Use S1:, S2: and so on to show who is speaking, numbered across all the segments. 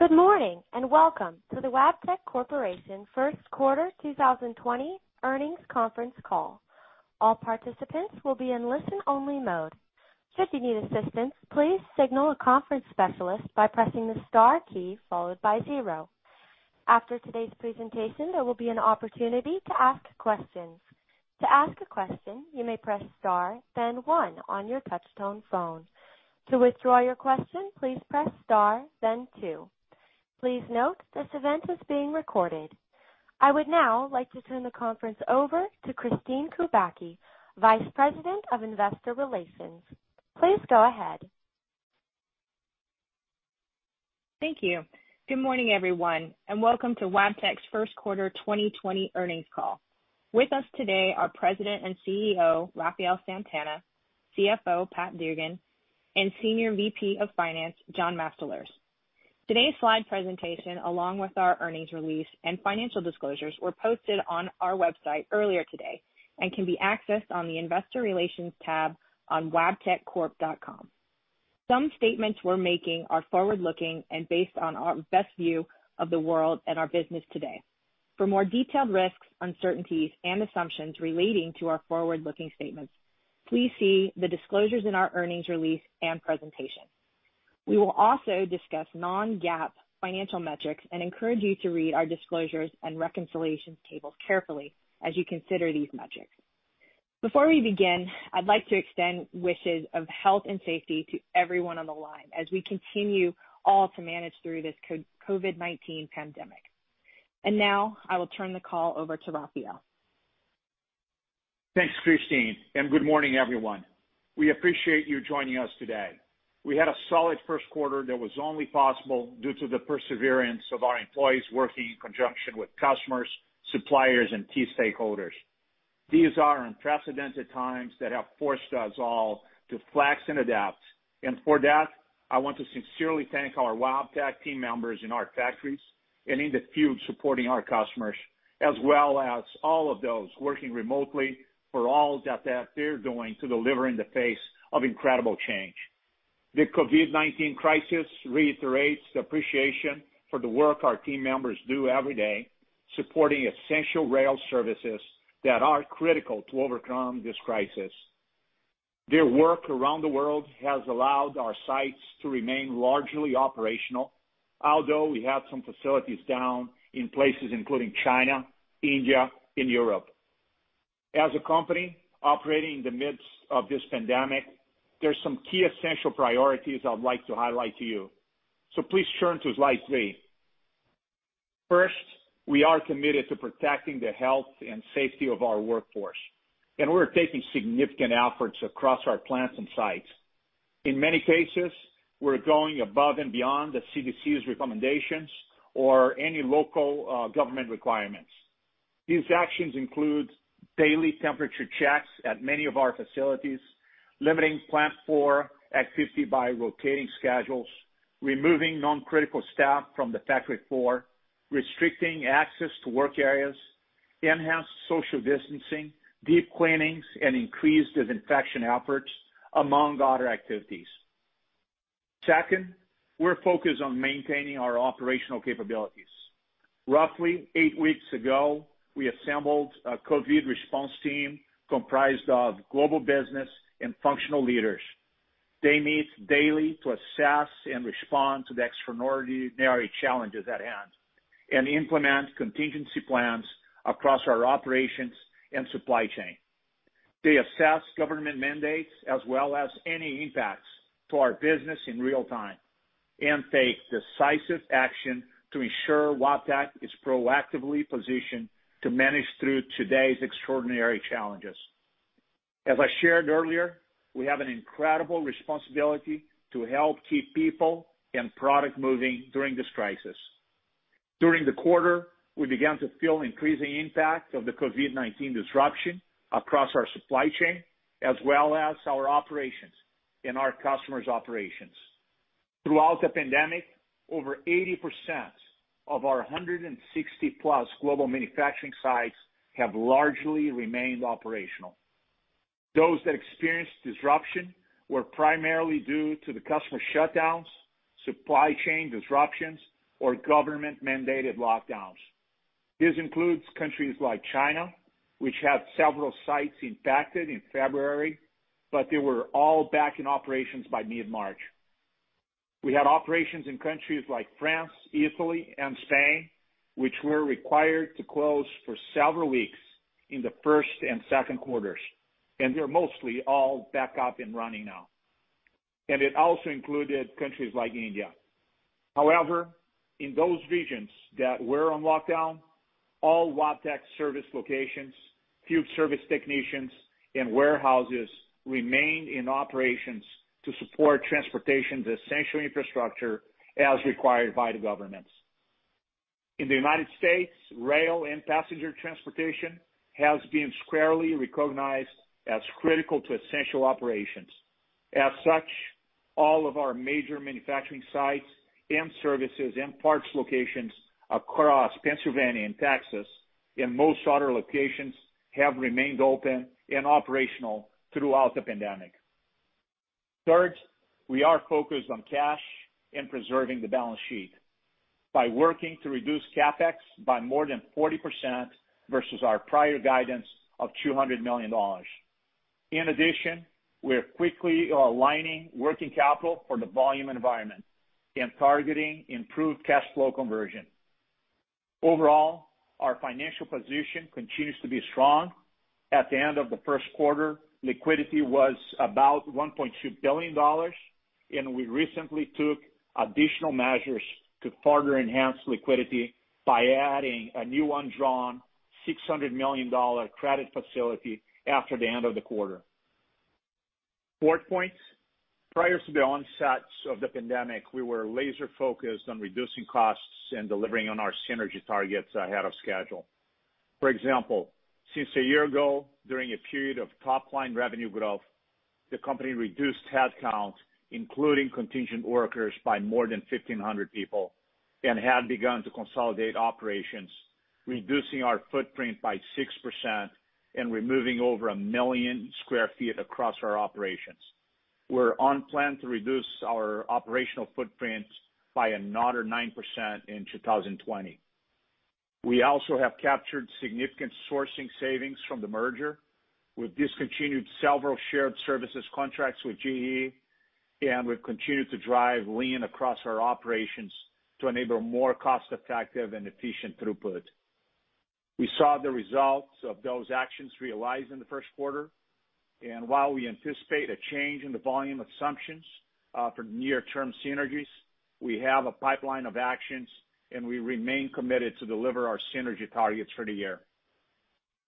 S1: Good morning and welcome to the Wabtec Corporation First Quarter 2020 Earnings Conference Call. All participants will be in listen-only mode. Should you need assistance, please signal a conference specialist by pressing the star key followed by zero. After today's presentation, there will be an opportunity to ask questions. To ask a question, you may press star, then one on your touch-tone phone. To withdraw your question, please press star, then two. Please note this event is being recorded. I would now like to turn the conference over to Kristine Kubacki, Vice President of Investor Relations. Please go ahead.
S2: Thank you. Good morning, everyone, and welcome to Wabtec's First Quarter 2020 Earnings Call. With us today are President and CEO Rafael Santana, CFO Pat Dugan, and Senior VP of Finance John Mastalerz. Today's slide presentation, along with our earnings release and financial disclosures, were posted on our website earlier today and can be accessed on the Investor Relations tab on wabteccorp.com. Some statements we're making are forward-looking and based on our best view of the world and our business today. For more detailed risks, uncertainties, and assumptions relating to our forward-looking statements, please see the disclosures in our earnings release and presentation. We will also discuss non-GAAP financial metrics and encourage you to read our disclosures and reconciliation tables carefully as you consider these metrics. Before we begin, I'd like to extend wishes of health and safety to everyone on the line as we continue all to manage through this COVID-19 pandemic, and now I will turn the call over to Rafael.
S3: Thanks, Kristine, and good morning, everyone. We appreciate you joining us today. We had a solid first quarter that was only possible due to the perseverance of our employees working in conjunction with customers, suppliers, and key stakeholders. These are unprecedented times that have forced us all to flex and adapt, and for that, I want to sincerely thank our Wabtec team members in our factories and in the field supporting our customers, as well as all of those working remotely for all that they're doing to deliver in the face of incredible change. The COVID-19 crisis reiterates the appreciation for the work our team members do every day supporting essential rail services that are critical to overcome this crisis. Their work around the world has allowed our sites to remain largely operational, although we had some facilities down in places including China, India, and Europe. As a company operating in the midst of this pandemic, there are some key essential priorities I'd like to highlight to you, so please turn to slide three. First, we are committed to protecting the health and safety of our workforce, and we're taking significant efforts across our plants and sites. In many cases, we're going above and beyond the CDC's recommendations or any local government requirements. These actions include daily temperature checks at many of our facilities, limiting plant floor activity by rotating schedules, removing non-critical staff from the factory floor, restricting access to work areas, enhanced social distancing, deep cleanings, and increased disinfection efforts, among other activities. Second, we're focused on maintaining our operational capabilities. Roughly eight weeks ago, we assembled a COVID response team comprised of global business and functional leaders. They meet daily to assess and respond to the extraordinary challenges at hand and implement contingency plans across our operations and supply chain. They assess government mandates as well as any impacts to our business in real time and take decisive action to ensure Wabtec is proactively positioned to manage through today's extraordinary challenges. As I shared earlier, we have an incredible responsibility to help keep people and product moving during this crisis. During the quarter, we began to feel the increasing impact of the COVID-19 disruption across our supply chain as well as our operations and our customers' operations. Throughout the pandemic, over 80% of our 160-plus global manufacturing sites have largely remained operational. Those that experienced disruption were primarily due to the customer shutdowns, supply chain disruptions, or government-mandated lockdowns. This includes countries like China, which had several sites impacted in February, but they were all back in operations by mid-March. We had operations in countries like France, Italy, and Spain, which were required to close for several weeks in the first and second quarters, and they're mostly all back up and running now. And it also included countries like India. However, in those regions that were on lockdown, all Wabtec service locations, field service technicians, and warehouses remained in operations to support transportation's essential infrastructure as required by the governments. In the United States, rail and passenger transportation has been squarely recognized as critical to essential operations. As such, all of our major manufacturing sites and services and parts locations across Pennsylvania and Texas and most other locations have remained open and operational throughout the pandemic. Third, we are focused on cash and preserving the balance sheet by working to reduce CapEx by more than 40% versus our prior guidance of $200 million. In addition, we're quickly aligning working capital for the volume environment and targeting improved cash flow conversion. Overall, our financial position continues to be strong. At the end of the first quarter, liquidity was about $1.2 billion, and we recently took additional measures to further enhance liquidity by adding a new undrawn $600 million credit facility after the end of the quarter. Fourth point, prior to the onset of the pandemic, we were laser-focused on reducing costs and delivering on our synergy targets ahead of schedule. For example, since a year ago, during a period of top-line revenue growth, the company reduced headcount, including contingent workers, by more than 1,500 people and had begun to consolidate operations, reducing our footprint by 6% and removing over a million sq ft across our operations. We're on plan to reduce our operational footprint by another 9% in 2020. We also have captured significant sourcing savings from the merger. We've discontinued several shared services contracts with GE, and we've continued to drive lean across our operations to enable more cost-effective and efficient throughput. We saw the results of those actions realized in the first quarter, and while we anticipate a change in the volume assumptions for near-term synergies, we have a pipeline of actions, and we remain committed to deliver our synergy targets for the year.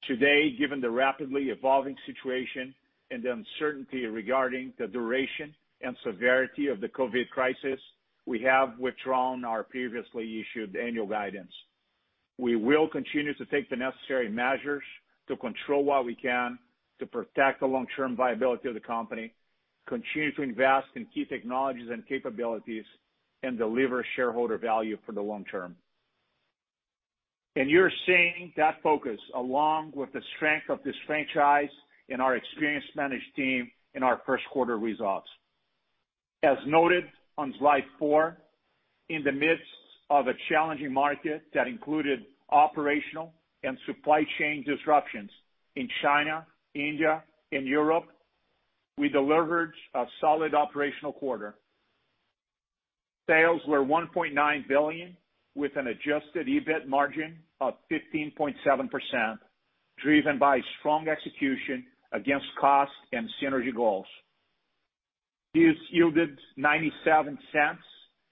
S3: Today, given the rapidly evolving situation and the uncertainty regarding the duration and severity of the COVID-19 crisis, we have withdrawn our previously issued annual guidance. We will continue to take the necessary measures to control what we can to protect the long-term viability of the company, continue to invest in key technologies and capabilities, and deliver shareholder value for the long term, and you're seeing that focus along with the strength of this franchise and our experienced management team in our first quarter results. As noted on slide four, in the midst of a challenging market that included operational and supply chain disruptions in China, India, and Europe, we delivered a solid operational quarter. Sales were $1.9 billion with an adjusted EBITDA margin of 15.7%, driven by strong execution against cost and synergy goals. This yielded $0.97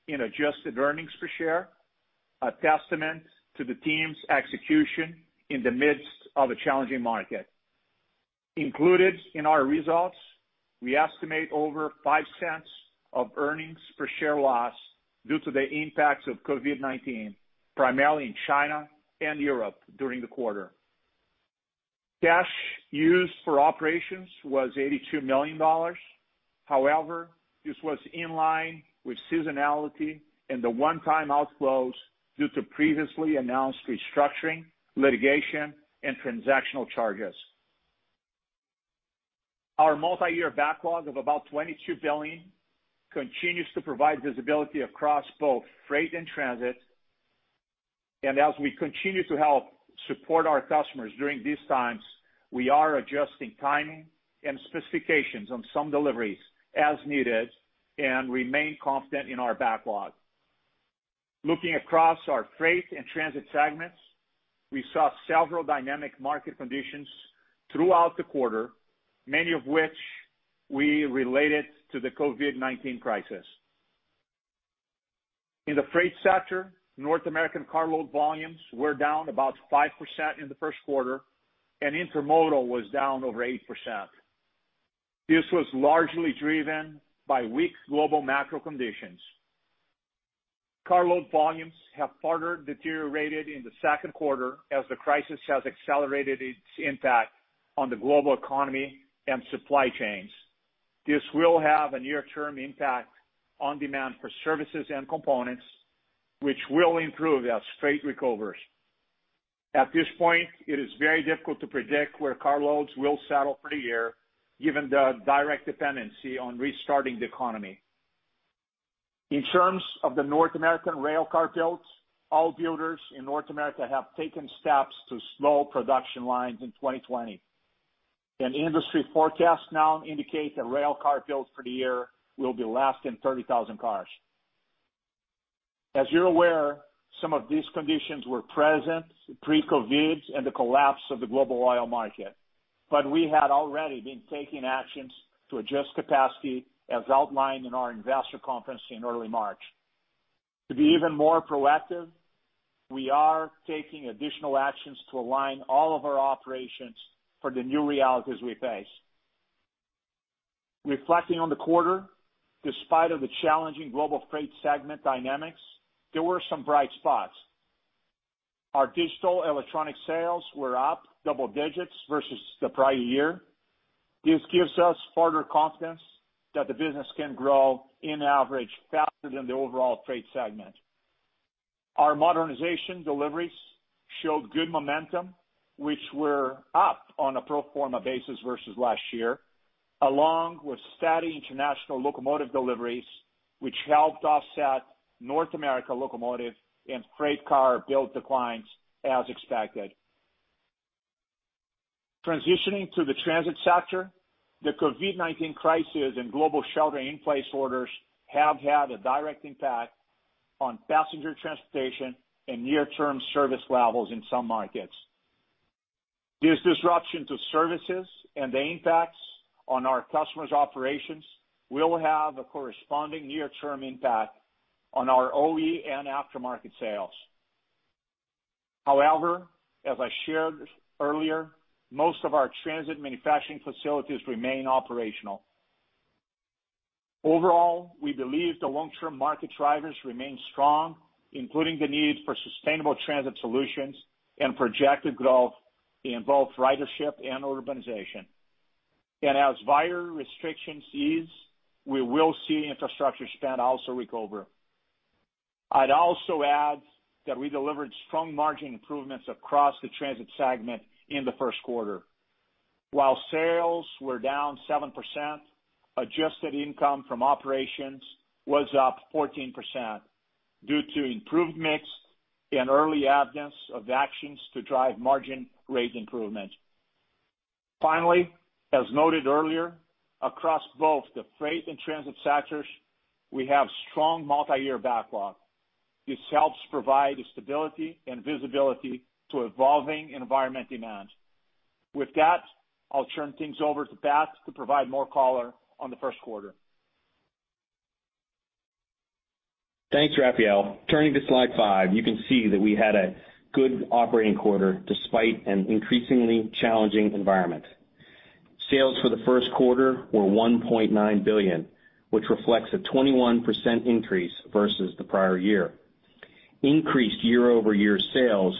S3: in adjusted earnings per share, a testament to the team's execution in the midst of a challenging market. Included in our results, we estimate over $0.05 of earnings per share loss due to the impacts of COVID-19, primarily in China and Europe during the quarter. Cash used for operations was $82 million. However, this was in line with seasonality and the one-time outflows due to previously announced restructuring, litigation, and transactional charges. Our multi-year backlog of about $22 billion continues to provide visibility across both freight and transit, and as we continue to help support our customers during these times, we are adjusting timing and specifications on some deliveries as needed and remain confident in our backlog. Looking across our freight and transit segments, we saw several dynamic market conditions throughout the quarter, many of which we related to the COVID-19 crisis. In the freight sector, North American carload volumes were down about 5% in the first quarter, and intermodal was down over 8%. This was largely driven by weak global macro conditions. Carload volumes have further deteriorated in the second quarter as the crisis has accelerated its impact on the global economy and supply chains. This will have a near-term impact on demand for services and components, which will improve as freight recovers. At this point, it is very difficult to predict where carloads will settle for the year, given the direct dependency on restarting the economy. In terms of the North American railcar build, all builders in North America have taken steps to slow production lines in 2020, and industry forecasts now indicate that railcar builds for the year will be less than 30,000 cars. As you're aware, some of these conditions were present pre-COVID and the collapse of the global oil market, but we had already been taking actions to adjust capacity as outlined in our investor conference in early March. To be even more proactive, we are taking additional actions to align all of our operations for the new realities we face. Reflecting on the quarter, despite the challenging global freight segment dynamics, there were some bright spots. Our digital electronics sales were up double digits versus the prior year. This gives us further confidence that the business can grow, on average, faster than the overall freight segment. Our modernization deliveries showed good momentum, which were up on a pro forma basis versus last year, along with steady international locomotive deliveries, which helped offset North America locomotive and freight car build declines as expected. Transitioning to the transit sector, the COVID-19 crisis and global shelter-in-place orders have had a direct impact on passenger transportation and near-term service levels in some markets. This disruption to services and the impacts on our customers' operations will have a corresponding near-term impact on our OE and aftermarket sales. However, as I shared earlier, most of our transit manufacturing facilities remain operational. Overall, we believe the long-term market drivers remain strong, including the need for sustainable transit solutions and projected growth in both ridership and urbanization. And as virus restrictions ease, we will see infrastructure spend also recover. I'd also add that we delivered strong margin improvements across the transit segment in the first quarter. While sales were down 7%, adjusted income from operations was up 14% due to improved mix and early evidence of actions to drive margin rate improvement. Finally, as noted earlier, across both the freight and transit sectors, we have strong multi-year backlog. This helps provide stability and visibility to evolving environment demand. With that, I'll turn things over to Pat to provide more color on the first quarter.
S4: Thanks, Rafael. Turning to slide five, you can see that we had a good operating quarter despite an increasingly challenging environment. Sales for the first quarter were $1.9 billion, which reflects a 21% increase versus the prior year. Increased year-over-year sales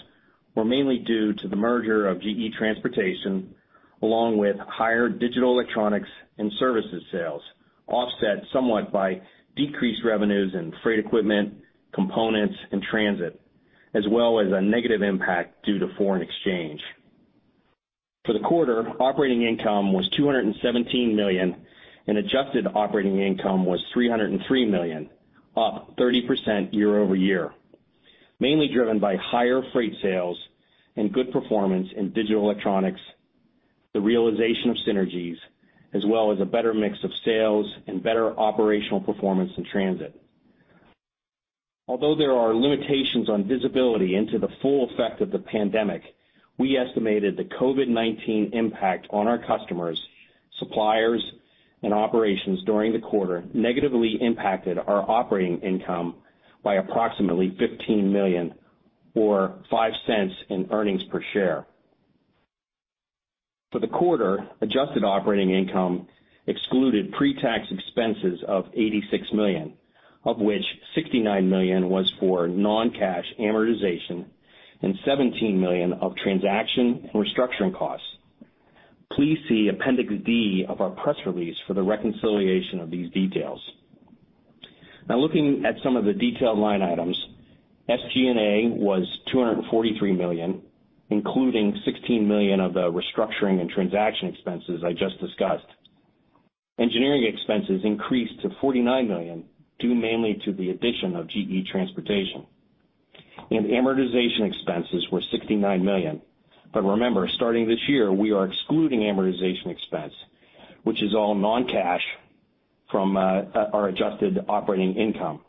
S4: were mainly due to the merger of GE Transportation along with higher digital electronics and services sales, offset somewhat by decreased revenues in freight equipment, components, and transit, as well as a negative impact due to foreign exchange. For the quarter, operating income was $217 million, and adjusted operating income was $303 million, up 30% year-over-year, mainly driven by higher freight sales and good performance in digital electronics, the realization of synergies, as well as a better mix of sales and better operational performance in transit. Although there are limitations on visibility into the full effect of the pandemic, we estimated the COVID-19 impact on our customers, suppliers, and operations during the quarter negatively impacted our operating income by approximately $15 million or $0.05 in earnings per share. For the quarter, adjusted operating income excluded pre-tax expenses of $86 million, of which $69 million was for non-cash amortization and $17 million of transaction and restructuring costs. Please see Appendix D of our press release for the reconciliation of these details. Now, looking at some of the detailed line items, SG&A was $243 million, including $16 million of the restructuring and transaction expenses I just discussed. Engineering expenses increased to $49 million, due mainly to the addition of GE Transportation. And amortization expenses were $69 million. But remember, starting this year, we are excluding amortization expense, which is all non-cash from our adjusted operating income.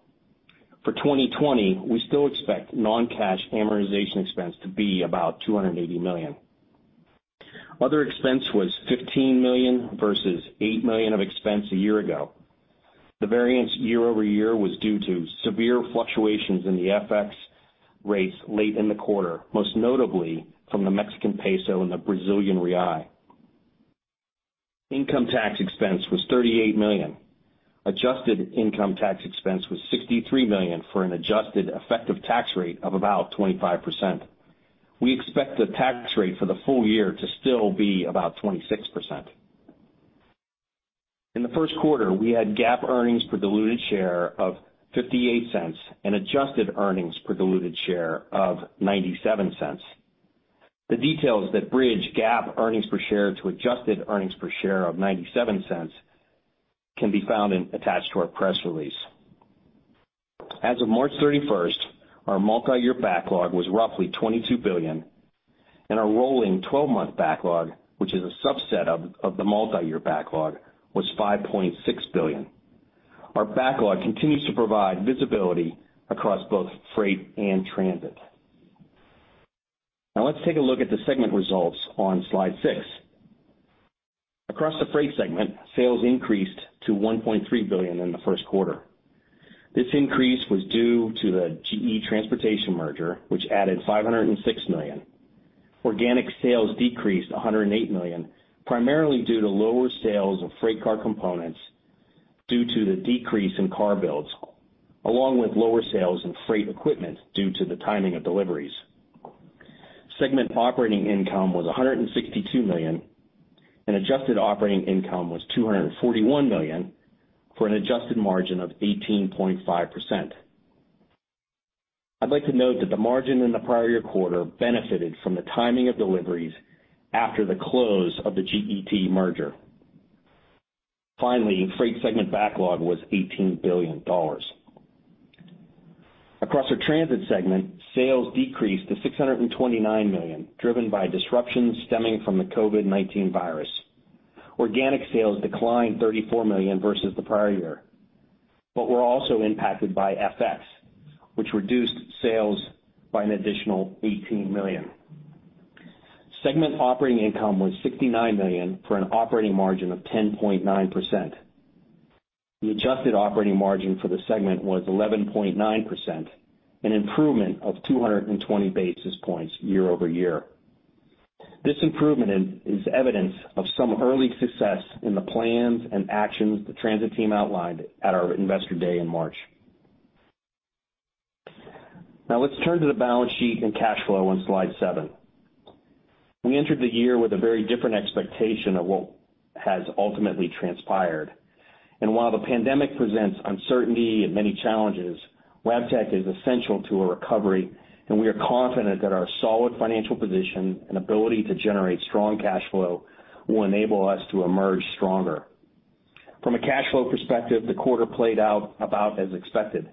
S4: For 2020, we still expect non-cash amortization expense to be about $280 million. Other expense was $15 million versus $8 million of expense a year ago. The variance year-over-year was due to severe fluctuations in the FX rates late in the quarter, most notably from the Mexican peso and the Brazilian real. Income tax expense was $38 million. Adjusted income tax expense was $63 million for an adjusted effective tax rate of about 25%. We expect the tax rate for the full year to still be about 26%. In the first quarter, we had GAAP earnings per diluted share of $0.58 and adjusted earnings per diluted share of $0.97. The details that bridge GAAP earnings per share to adjusted earnings per share of $0.97 can be found and attached to our press release. As of March 31st, our multi-year backlog was roughly $22 billion, and our rolling 12-month backlog, which is a subset of the multi-year backlog, was $5.6 billion. Our backlog continues to provide visibility across both freight and transit. Now, let's take a look at the segment results on slide six. Across the freight segment, sales increased to $1.3 billion in the first quarter. This increase was due to the GE Transportation merger, which added $506 million. Organic sales decreased to $108 million, primarily due to lower sales of freight car components due to the decrease in car builds, along with lower sales in freight equipment due to the timing of deliveries. Segment operating income was $162 million, and adjusted operating income was $241 million for an adjusted margin of 18.5%. I'd like to note that the margin in the prior year quarter benefited from the timing of deliveries after the close of the GE Transportation merger. Finally, freight segment backlog was $18 billion. Across our transit segment, sales decreased to $629 million, driven by disruptions stemming from the COVID-19 virus. Organic sales declined $34 million versus the prior year, but were also impacted by FX, which reduced sales by an additional $18 million. Segment operating income was $69 million for an operating margin of 10.9%. The adjusted operating margin for the segment was 11.9%, an improvement of 220 basis points year-over-year. This improvement is evidence of some early success in the plans and actions the transit team outlined at our investor day in March. Now, let's turn to the balance sheet and cash flow on slide seven. We entered the year with a very different expectation of what has ultimately transpired, and while the pandemic presents uncertainty and many challenges, Wabtec is essential to a recovery, and we are confident that our solid financial position and ability to generate strong cash flow will enable us to emerge stronger. From a cash flow perspective, the quarter played out about as expected.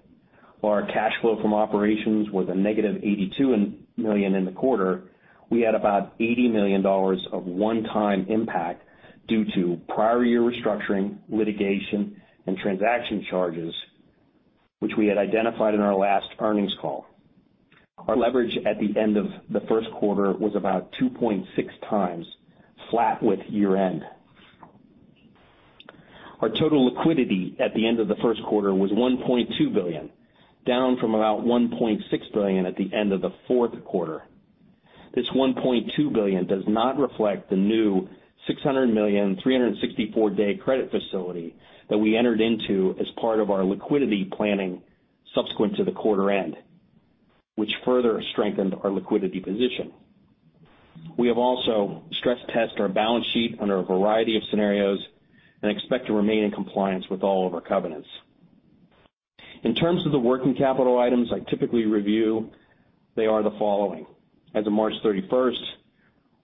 S4: While our cash flow from operations was a negative $82 million in the quarter, we had about $80 million of one-time impact due to prior year restructuring, litigation, and transaction charges, which we had identified in our last earnings call. Our leverage at the end of the first quarter was about 2.6x flat with year-end. Our total liquidity at the end of the first quarter was $1.2 billion, down from about $1.6 billion at the end of the fourth quarter. This $1.2 billion does not reflect the new $600 million, 364-day credit facility that we entered into as part of our liquidity planning subsequent to the quarter end, which further strengthened our liquidity position. We have also stress-tested our balance sheet under a variety of scenarios and expect to remain in compliance with all of our covenants. In terms of the working capital items I typically review, they are the following. As of March 31st,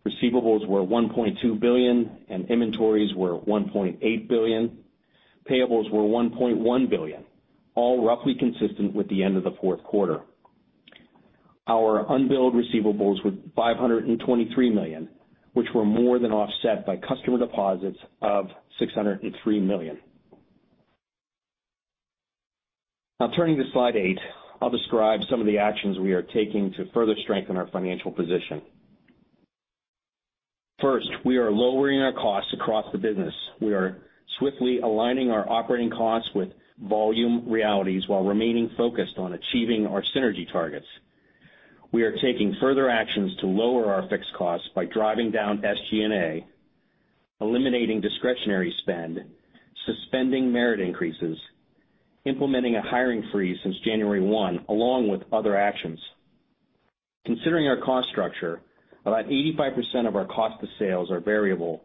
S4: receivables were $1.2 billion and inventories were $1.8 billion. Payables were $1.1 billion, all roughly consistent with the end of the fourth quarter. Our unbilled receivables were $523 million, which were more than offset by customer deposits of $603 million. Now, turning to slide eight, I'll describe some of the actions we are taking to further strengthen our financial position. First, we are lowering our costs across the business. We are swiftly aligning our operating costs with volume realities while remaining focused on achieving our synergy targets. We are taking further actions to lower our fixed costs by driving down SG&A, eliminating discretionary spend, suspending merit increases, implementing a hiring freeze since January 1, along with other actions. Considering our cost structure, about 85% of our cost of sales are variable,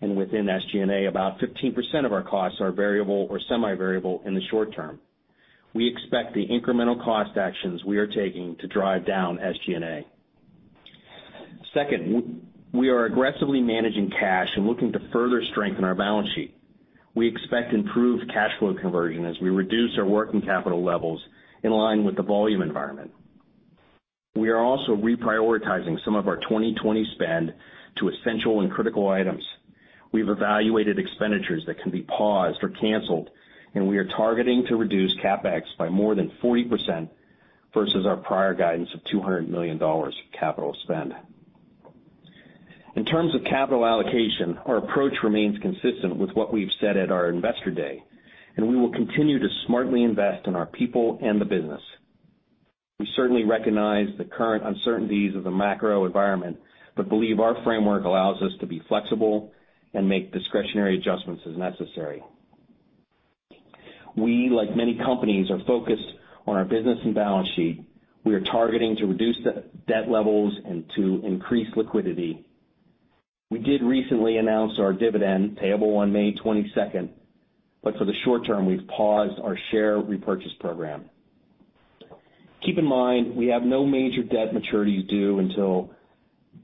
S4: and within SG&A, about 15% of our costs are variable or semi-variable in the short term. We expect the incremental cost actions we are taking to drive down SG&A. Second, we are aggressively managing cash and looking to further strengthen our balance sheet. We expect improved cash flow conversion as we reduce our working capital levels in line with the volume environment. We are also reprioritizing some of our 2020 spend to essential and critical items. We've evaluated expenditures that can be paused or canceled, and we are targeting to reduce CapEx by more than 40% versus our prior guidance of $200 million capital spend. In terms of capital allocation, our approach remains consistent with what we've said at our investor day, and we will continue to smartly invest in our people and the business. We certainly recognize the current uncertainties of the macro environment, but believe our framework allows us to be flexible and make discretionary adjustments as necessary. We, like many companies, are focused on our business and balance sheet. We are targeting to reduce debt levels and to increase liquidity. We did recently announce our dividend payable on May 22nd, but for the short term, we've paused our share repurchase program. Keep in mind, we have no major debt maturities due until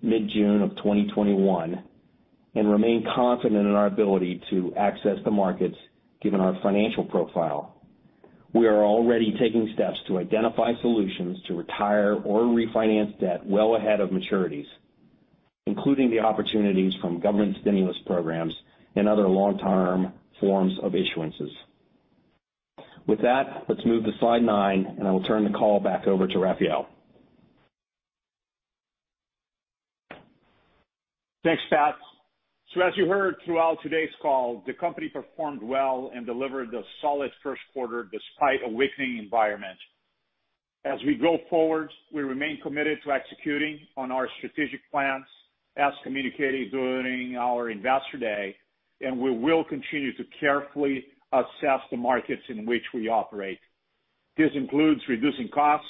S4: mid-June of 2021 and remain confident in our ability to access the markets given our financial profile. We are already taking steps to identify solutions to retire or refinance debt well ahead of maturities, including the opportunities from government stimulus programs and other long-term forms of issuances. With that, let's move to slide nine, and I will turn the call back over to Rafael.
S3: Thanks, Pat. As you heard throughout today's call, the company performed well and delivered a solid first quarter despite a weakening environment. As we go forward, we remain committed to executing on our strategic plans as communicated during our investor day, and we will continue to carefully assess the markets in which we operate. This includes reducing costs,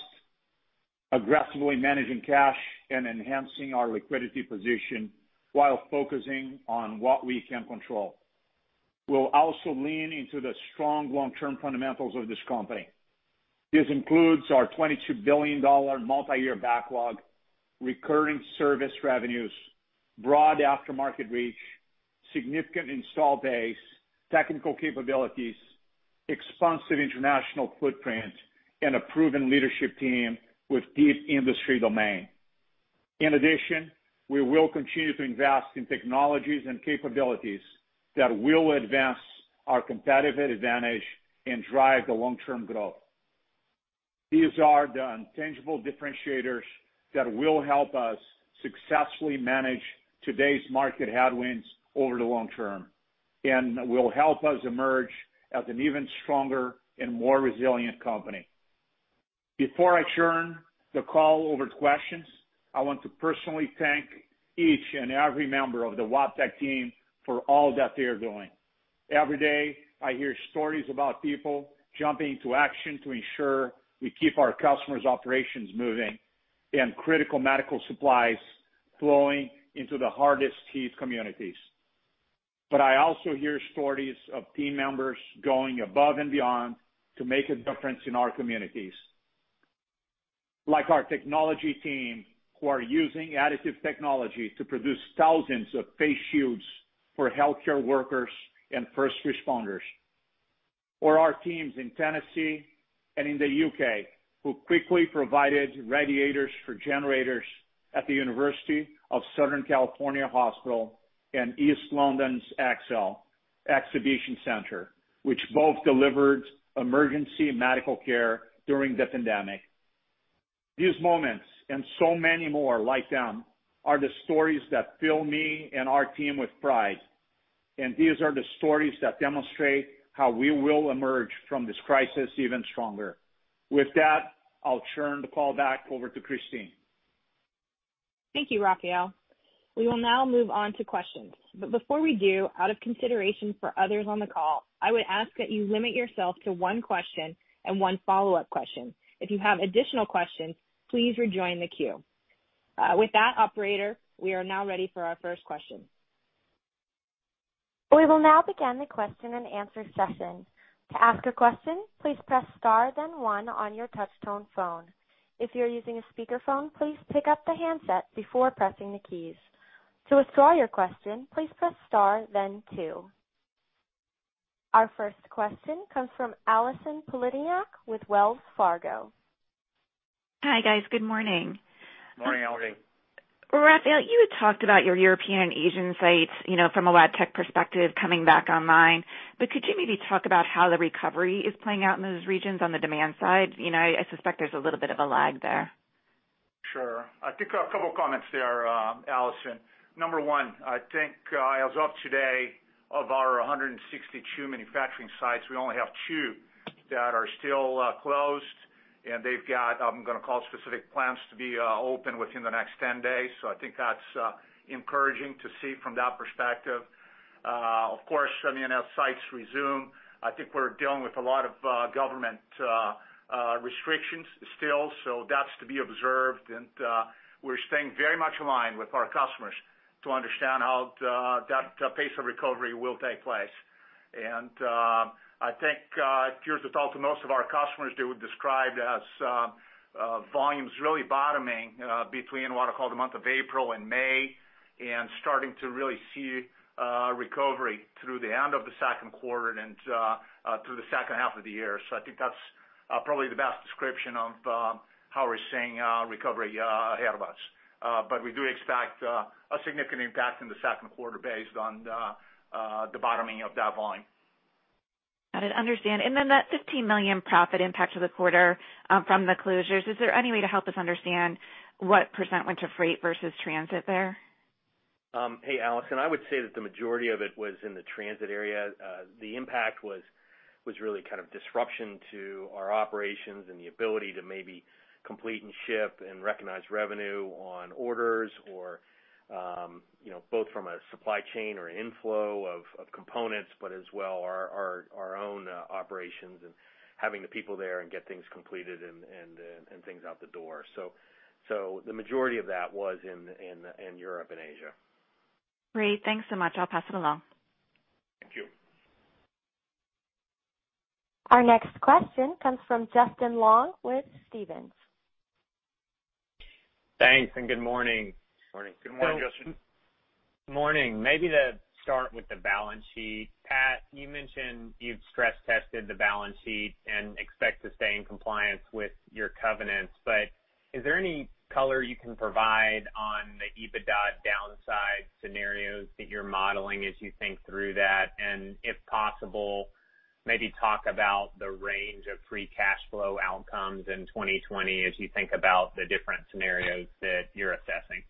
S3: aggressively managing cash, and enhancing our liquidity position while focusing on what we can control. We'll also lean into the strong long-term fundamentals of this company. This includes our $22 billion multi-year backlog, recurring service revenues, broad aftermarket reach, significant installed base, technical capabilities, expansive international footprint, and a proven leadership team with deep industry domain. In addition, we will continue to invest in technologies and capabilities that will advance our competitive advantage and drive the long-term growth. These are the intangible differentiators that will help us successfully manage today's market headwinds over the long term and will help us emerge as an even stronger and more resilient company. Before I turn the call over to questions, I want to personally thank each and every member of the Wabtec team for all that they are doing. Every day, I hear stories about people jumping to action to ensure we keep our customers' operations moving and critical medical supplies flowing into the hardest-hit communities. But I also hear stories of team members going above and beyond to make a difference in our communities, like our technology team who are using additive technology to produce thousands of face shields for healthcare workers and first responders, or our teams in Tennessee and in the U.K. who quickly provided radiators for generators at the University of Southern California Hospital and East London's ExCeL London, which both delivered emergency medical care during the pandemic. These moments and so many more like them are the stories that fill me and our team with pride, and these are the stories that demonstrate how we will emerge from this crisis even stronger. With that, I'll turn the call back over to Kristine.
S2: Thank you, Rafael. We will now move on to questions. But before we do, out of consideration for others on the call, I would ask that you limit yourself to one question and one follow-up question. If you have additional questions, please rejoin the queue. With that, Operator, we are now ready for our first question.
S1: We will now begin the question-and-answer session. To ask a question, please press star, then one on your touch-tone phone. If you're using a speakerphone, please pick up the handset before pressing the keys. To withdraw your question, please press star, then two. Our first question comes from Allison Poliniak with Wells Fargo.
S5: Hi, guys. Good morning. Morning. How are you? Rafael, you had talked about your European and Asian sites from a Wabtec perspective coming back online, but could you maybe talk about how the recovery is playing out in those regions on the demand side? I suspect there's a little bit of a lag there.
S3: Sure. I think a couple of comments there, Allison. Number one, I think as of today, of our 162 manufacturing sites, we only have two that are still closed, and they've got, I'm going to call it, specific plans to be open within the next 10 days. So I think that's encouraging to see from that perspective. Of course, I mean, as sites resume, I think we're dealing with a lot of government restrictions still, so that's to be observed, and we're staying very much aligned with our customers to understand how that pace of recovery will take place. I think, if you were to talk to most of our customers, they would describe it as volumes really bottoming between what I call the month of April and May and starting to really see recovery through the end of the second quarter and through the second half of the year. I think that's probably the best description of how we're seeing recovery ahead of us. We do expect a significant impact in the second quarter based on the bottoming of that volume.
S5: I understand. Then that $15 million profit impact of the quarter from the closures, is there any way to help us understand what % went to freight versus transit there?
S3: Hey, Allison, I would say that the majority of it was in the transit area. The impact was really kind of disruption to our operations and the ability to maybe complete and ship and recognize revenue on orders, or both from a supply chain or an inflow of components, but as well our own operations and having the people there and get things completed and things out the door. So the majority of that was in Europe and Asia.
S5: Great. Thanks so much. I'll pass it along.
S3: Thank you.
S1: Our next question comes from Justin Long with Stephens.
S6: Thanks and good morning.
S3: Morning. Good morning, Justin.
S6: Morning. Maybe to start with the balance sheet, Pat, you mentioned you've stress-tested the balance sheet and expect to stay in compliance with your covenants, but is there any color you can provide on the EBITDA downside scenarios that you're modeling as you think through that? If possible, maybe talk about the range of free cash flow outcomes in 2020 as you think about the different scenarios that you're assessing.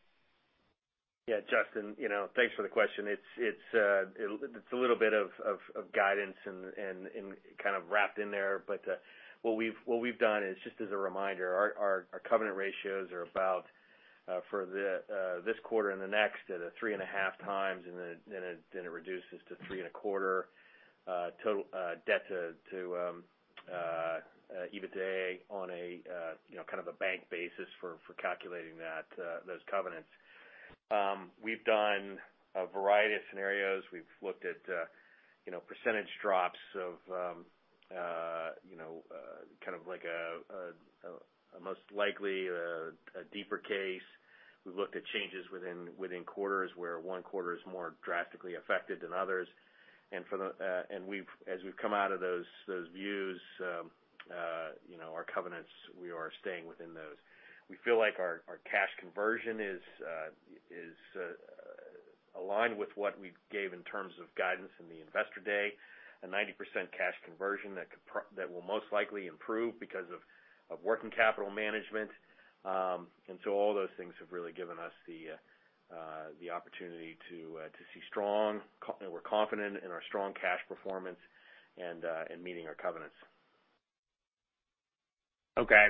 S4: Yeah, Justin, thanks for the question. It's a little bit of guidance and kind of wrapped in there, but what we've done is, just as a reminder, our covenant ratios are about, for this quarter and the next, at a three and a half times, and then it reduces to three and a quarter debt to EBITDA on a kind of a bank basis for calculating those covenants. We've done a variety of scenarios. We've looked at percentage drops of kind of like a most likely a deeper case. We've looked at changes within quarters where one quarter is more drastically affected than others. As we've come out of those views, our covenants, we are staying within those. We feel like our cash conversion is aligned with what we gave in terms of guidance in the investor day, a 90% cash conversion that will most likely improve because of working capital management, and so all those things have really given us the opportunity to see strong, we're confident in our strong cash performance and meeting our covenants.
S6: Okay.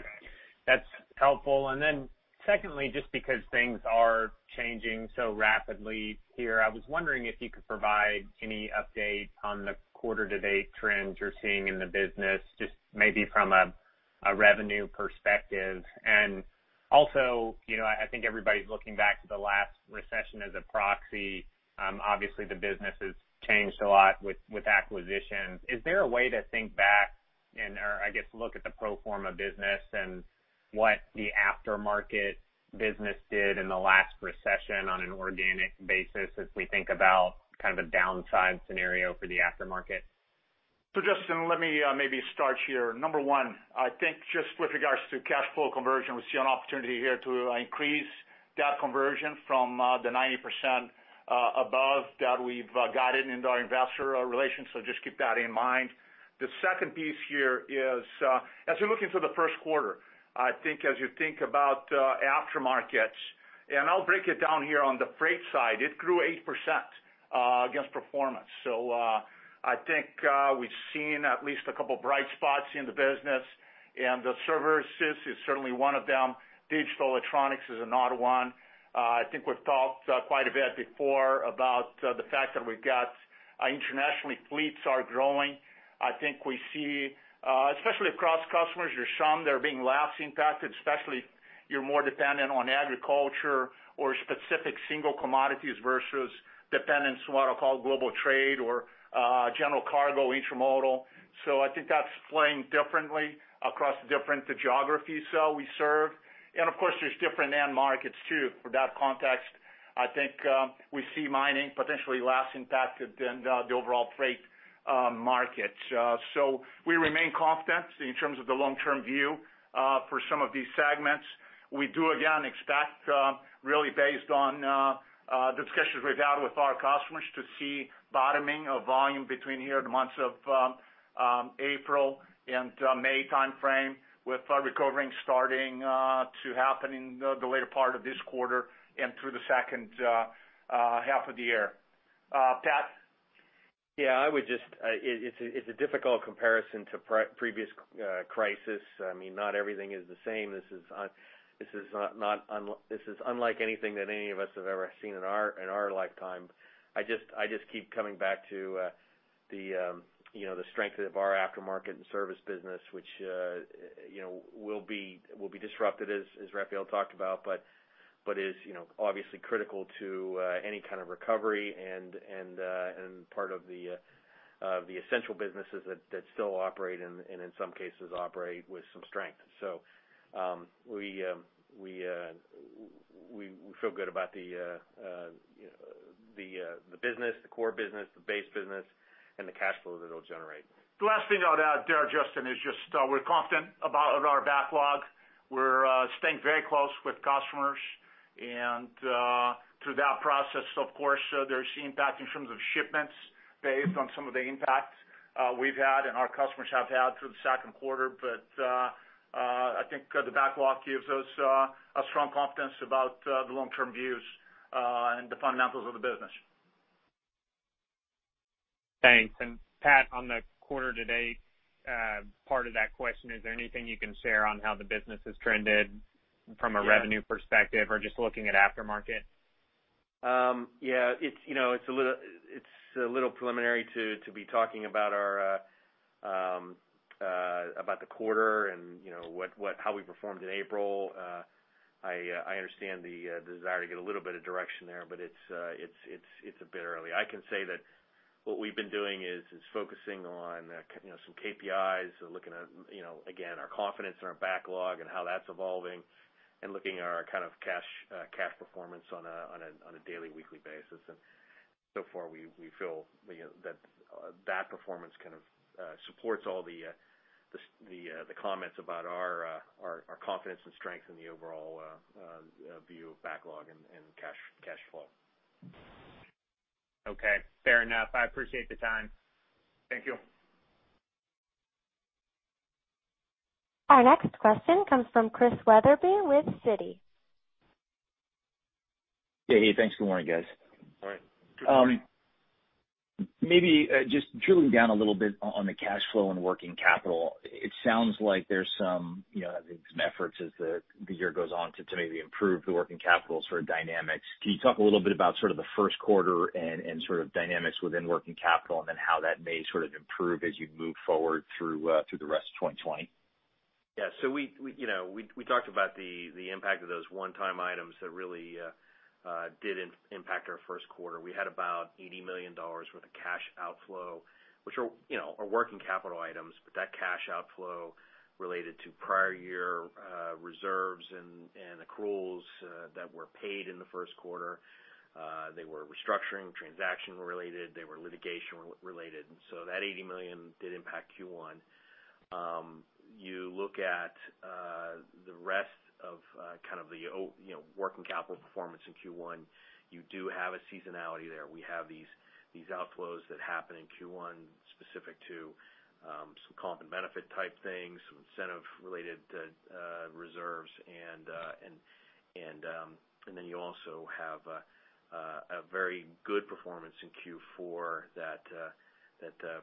S6: That's helpful, and then secondly, just because things are changing so rapidly here, I was wondering if you could provide any update on the quarter-to-date trends you're seeing in the business, just maybe from a revenue perspective. And also, I think everybody's looking back to the last recession as a proxy. Obviously, the business has changed a lot with acquisitions. Is there a way to think back and, I guess, look at the pro forma business and what the aftermarket business did in the last recession on an organic basis as we think about kind of a downside scenario for the aftermarket?
S3: So, Justin, let me maybe start here. Number one, I think just with regards to cash flow conversion, we see an opportunity here to increase that conversion from the 90% above that we've gotten in our investor relations. So just keep that in mind. The second piece here is, as we look into the first quarter, I think as you think about aftermarkets, and I'll break it down here on the freight side, it grew 8% against performance. So I think we've seen at least a couple of bright spots in the business, and the services is certainly one of them. Digital electronics is another one. I think we've talked quite a bit before about the fact that we've got international fleets are growing. I think we see, especially across customers, there's some that are being less impacted, especially if you're more dependent on agriculture or specific single commodities versus dependence on what I call global trade or general cargo intermodal. So I think that's playing differently across different geographies we serve, and of course, there's different end markets too. For that context, I think we see mining potentially less impacted than the overall freight market. So we remain confident in terms of the long-term view for some of these segments. We do, again, expect really based on the discussions we've had with our customers to see bottoming of volume between here in the months of April and May timeframe, with recovering starting to happen in the later part of this quarter and through the second half of the year. Pat?
S4: Yeah, I would just. It's a difficult comparison to previous crisis. I mean, not everything is the same. This is not. This is unlike anything that any of us have ever seen in our lifetime. I just keep coming back to the strength of our aftermarket and service business, which will be disrupted, as Rafael talked about, but is obviously critical to any kind of recovery and part of the essential businesses that still operate and in some cases operate with some strength. So we feel good about the business, the core business, the base business, and the cash flow that it'll generate. The last thing I'll add there, Justin, is just we're confident about our backlog. We're staying very close with customers. And through that process, of course, there's impact in terms of shipments based on some of the impact we've had and our customers have had through the second quarter. But I think the backlog gives us a strong confidence about the long-term views and the fundamentals of the business.
S6: Thanks. And Pat, on the quarter-to-date part of that question, is there anything you can share on how the business has trended from a revenue perspective or just looking at aftermarket?
S4: Yeah, it's a little preliminary to be talking about the quarter and how we performed in April. I understand the desire to get a little bit of direction there, but it's a bit early. I can say that what we've been doing is focusing on some KPIs, looking at, again, our confidence in our backlog and how that's evolving, and looking at our kind of cash performance on a daily, weekly basis, and so far, we feel that that performance kind of supports all the comments about our confidence and strength in the overall view of backlog and cash flow. Okay. Fair enough.
S6: I appreciate the time. Thank you.
S1: Our next question comes from Chris Wetherbee with Citi.
S7: Hey, hey. Thanks for the morning, guys. All right. Maybe just drilling down a little bit on the cash flow and working capital. It sounds like there's some efforts as the year goes on to maybe improve the working capital sort of dynamics. Can you talk a little bit about sort of the first quarter and sort of dynamics within working capital and then how that may sort of improve as you move forward through the rest of 2020?
S3: Yeah. So we talked about the impact of those one-time items that really did impact our first quarter. We had about $80 million worth of cash outflow, which are working capital items, but that cash outflow related to prior year reserves and accruals that were paid in the first quarter. They were restructuring transaction related. They were litigation related. And so that $80 million did impact Q1. You look at the rest of kind of the working capital performance in Q1, you do have a seasonality there. We have these outflows that happen in Q1 specific to some comp and benefit type things, some incentive-related reserves. And then you also have a very good performance in Q4 that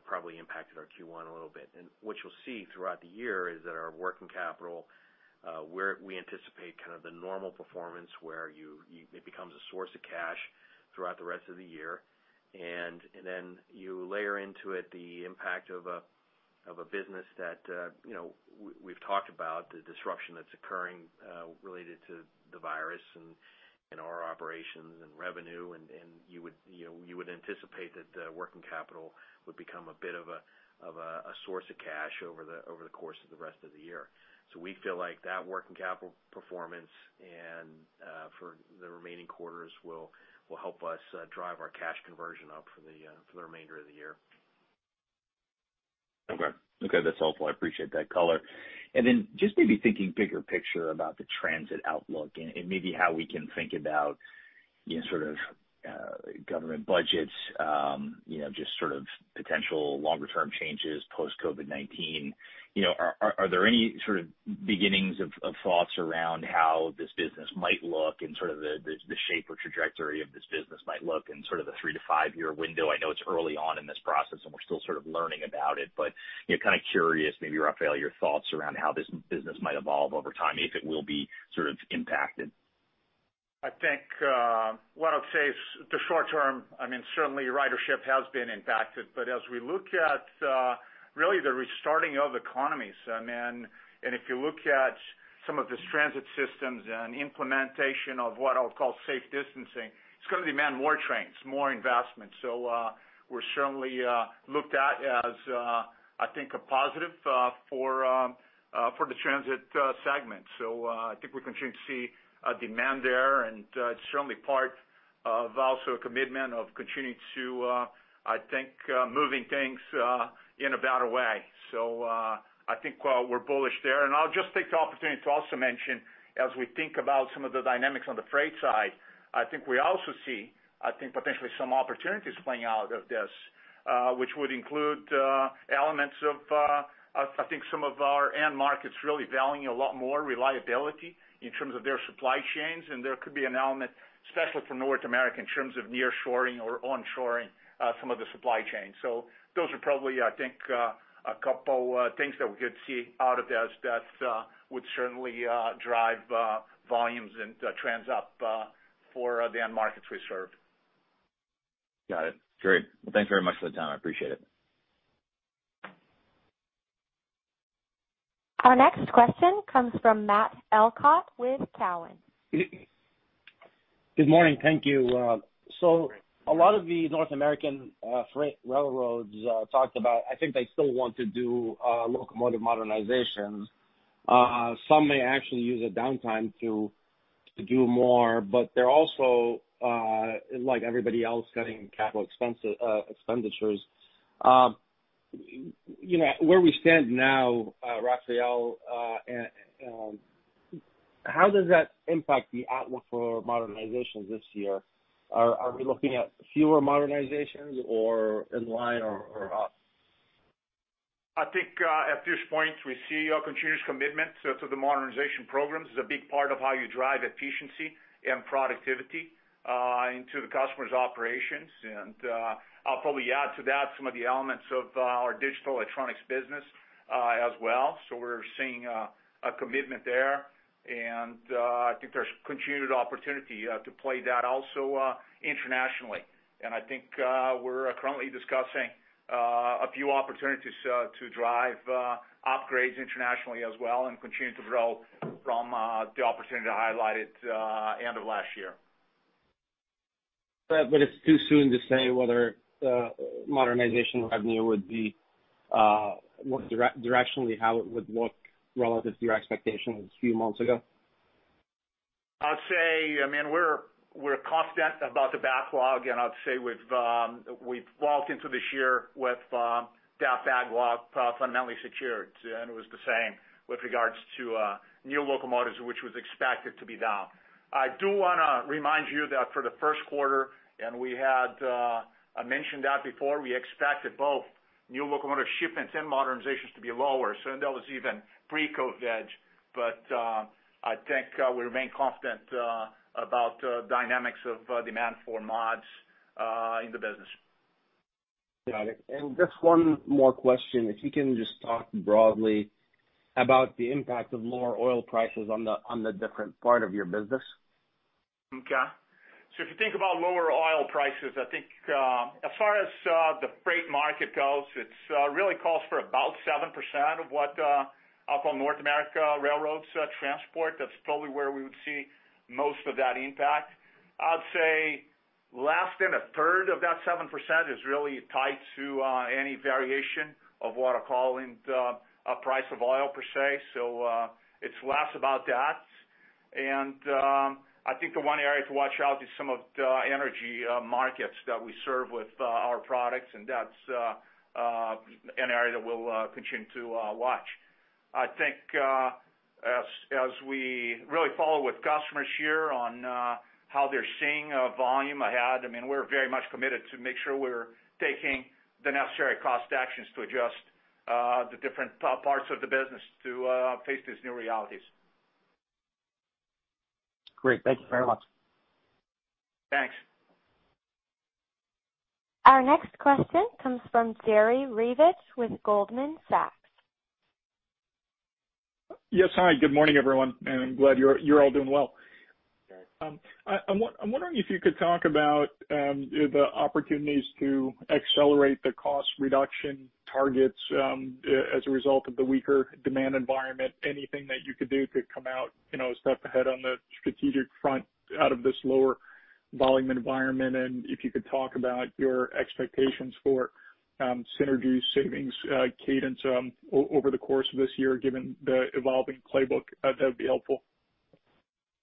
S3: probably impacted our Q1 a little bit. And what you'll see throughout the year is that our working capital, we anticipate kind of the normal performance where it becomes a source of cash throughout the rest of the year. And then you layer into it the impact of a business that we've talked about, the disruption that's occurring related to the virus and our operations and revenue. And you would anticipate that the working capital would become a bit of a source of cash over the course of the rest of the year. So we feel like that working capital performance for the remaining quarters will help us drive our cash conversion up for the remainder of the year.
S7: Okay. Okay. That's helpful. I appreciate that color. And then just maybe thinking bigger picture about the transit outlook and maybe how we can think about sort of government budgets, just sort of potential longer-term changes post-COVID-19. Are there any sort of beginnings of thoughts around how this business might look and sort of the shape or trajectory of this business might look in sort of the three- to five-year window? I know it's early on in this process and we're still sort of learning about it, but kind of curious, maybe, Rafael, your thoughts around how this business might evolve over time, if it will be sort of impacted.
S3: I think what I would say is the short term, I mean, certainly ridership has been impacted, but as we look at really the restarting of economies. And if you look at some of these transit systems and implementation of what I'll call safe distancing, it's going to demand more trains, more investment. So we're certainly looked at as, I think, a positive for the transit segment. So I think we continue to see a demand there, and it's certainly part of also a commitment of continuing to, I think, moving things in a better way. So I think we're bullish there. And I'll just take the opportunity to also mention, as we think about some of the dynamics on the freight side, I think we also see, I think, potentially some opportunities playing out of this, which would include elements of, I think, some of our end markets really valuing a lot more reliability in terms of their supply chains. And there could be an element, especially for North America, in terms of nearshoring or onshoring some of the supply chains. So those are probably, I think, a couple of things that we could see out of this that would certainly drive volumes and trends up for the end markets we serve.
S7: Got it. Great. Well, thanks very much for the time. I appreciate it.
S1: Our next question comes from Matt Elkott with Cowen.
S8: Good morning. Thank you. So a lot of the North American freight railroads talked about, I think they still want to do locomotive modernizations. Some may actually use a downtime to do more, but they're also, like everybody else, cutting capital expenditures. Where we stand now, Rafael, how does that impact the outlook for modernizations this year? Are we looking at fewer modernizations or in line or up?
S3: I think at this point, we see a continuous commitment to the modernization programs. It's a big part of how you drive efficiency and productivity into the customer's operations. And I'll probably add to that some of the elements of our digital electronics business as well. So we're seeing a commitment there. And I think there's continued opportunity to play that also internationally. And I think we're currently discussing a few opportunities to drive upgrades internationally as well and continue to grow from the opportunity I highlighted at the end of last year.
S8: But it's too soon to say whether modernization revenue would be directionally how it would look relative to your expectations a few months ago?
S3: I'd say, I mean, we're confident about the backlog, and I'd say we've walked into this year with that backlog fundamentally secured. It was the same with regards to new locomotives, which was expected to be down. I do want to remind you that for the first quarter, and we had mentioned that before, we expected both new locomotive shipments and modernizations to be lower. That was even pre-COVID. I think we remain confident about the dynamics of demand for mods in the business.
S8: Got it. Just one more question. If you can just talk broadly about the impact of lower oil prices on the different part of your business.
S3: Okay. If you think about lower oil prices, I think as far as the freight market goes, it really calls for about 7% of what I'll call North America railroads transport. That's probably where we would see most of that impact. I'd say less than a third of that 7% is really tied to any variation of what I'll call a price of oil per se. So it's less about that, and I think the one area to watch out is some of the energy markets that we serve with our products, and that's an area that we'll continue to watch. I think as we really follow with customers here on how they're seeing volume ahead, I mean, we're very much committed to make sure we're taking the necessary cost actions to adjust the different parts of the business to face these new realities.
S8: Great. Thank you very much.
S3: Thanks.
S1: Our next question comes from Jerry Revich with Goldman Sachs.
S9: Yes, hi. Good morning, everyone, and I'm glad you're all doing well. I'm wondering if you could talk about the opportunities to accelerate the cost reduction targets as a result of the weaker demand environment. Anything that you could do to come out a step ahead on the strategic front out of this lower volume environment? And if you could talk about your expectations for synergy savings cadence over the course of this year, given the evolving playbook, that would be helpful.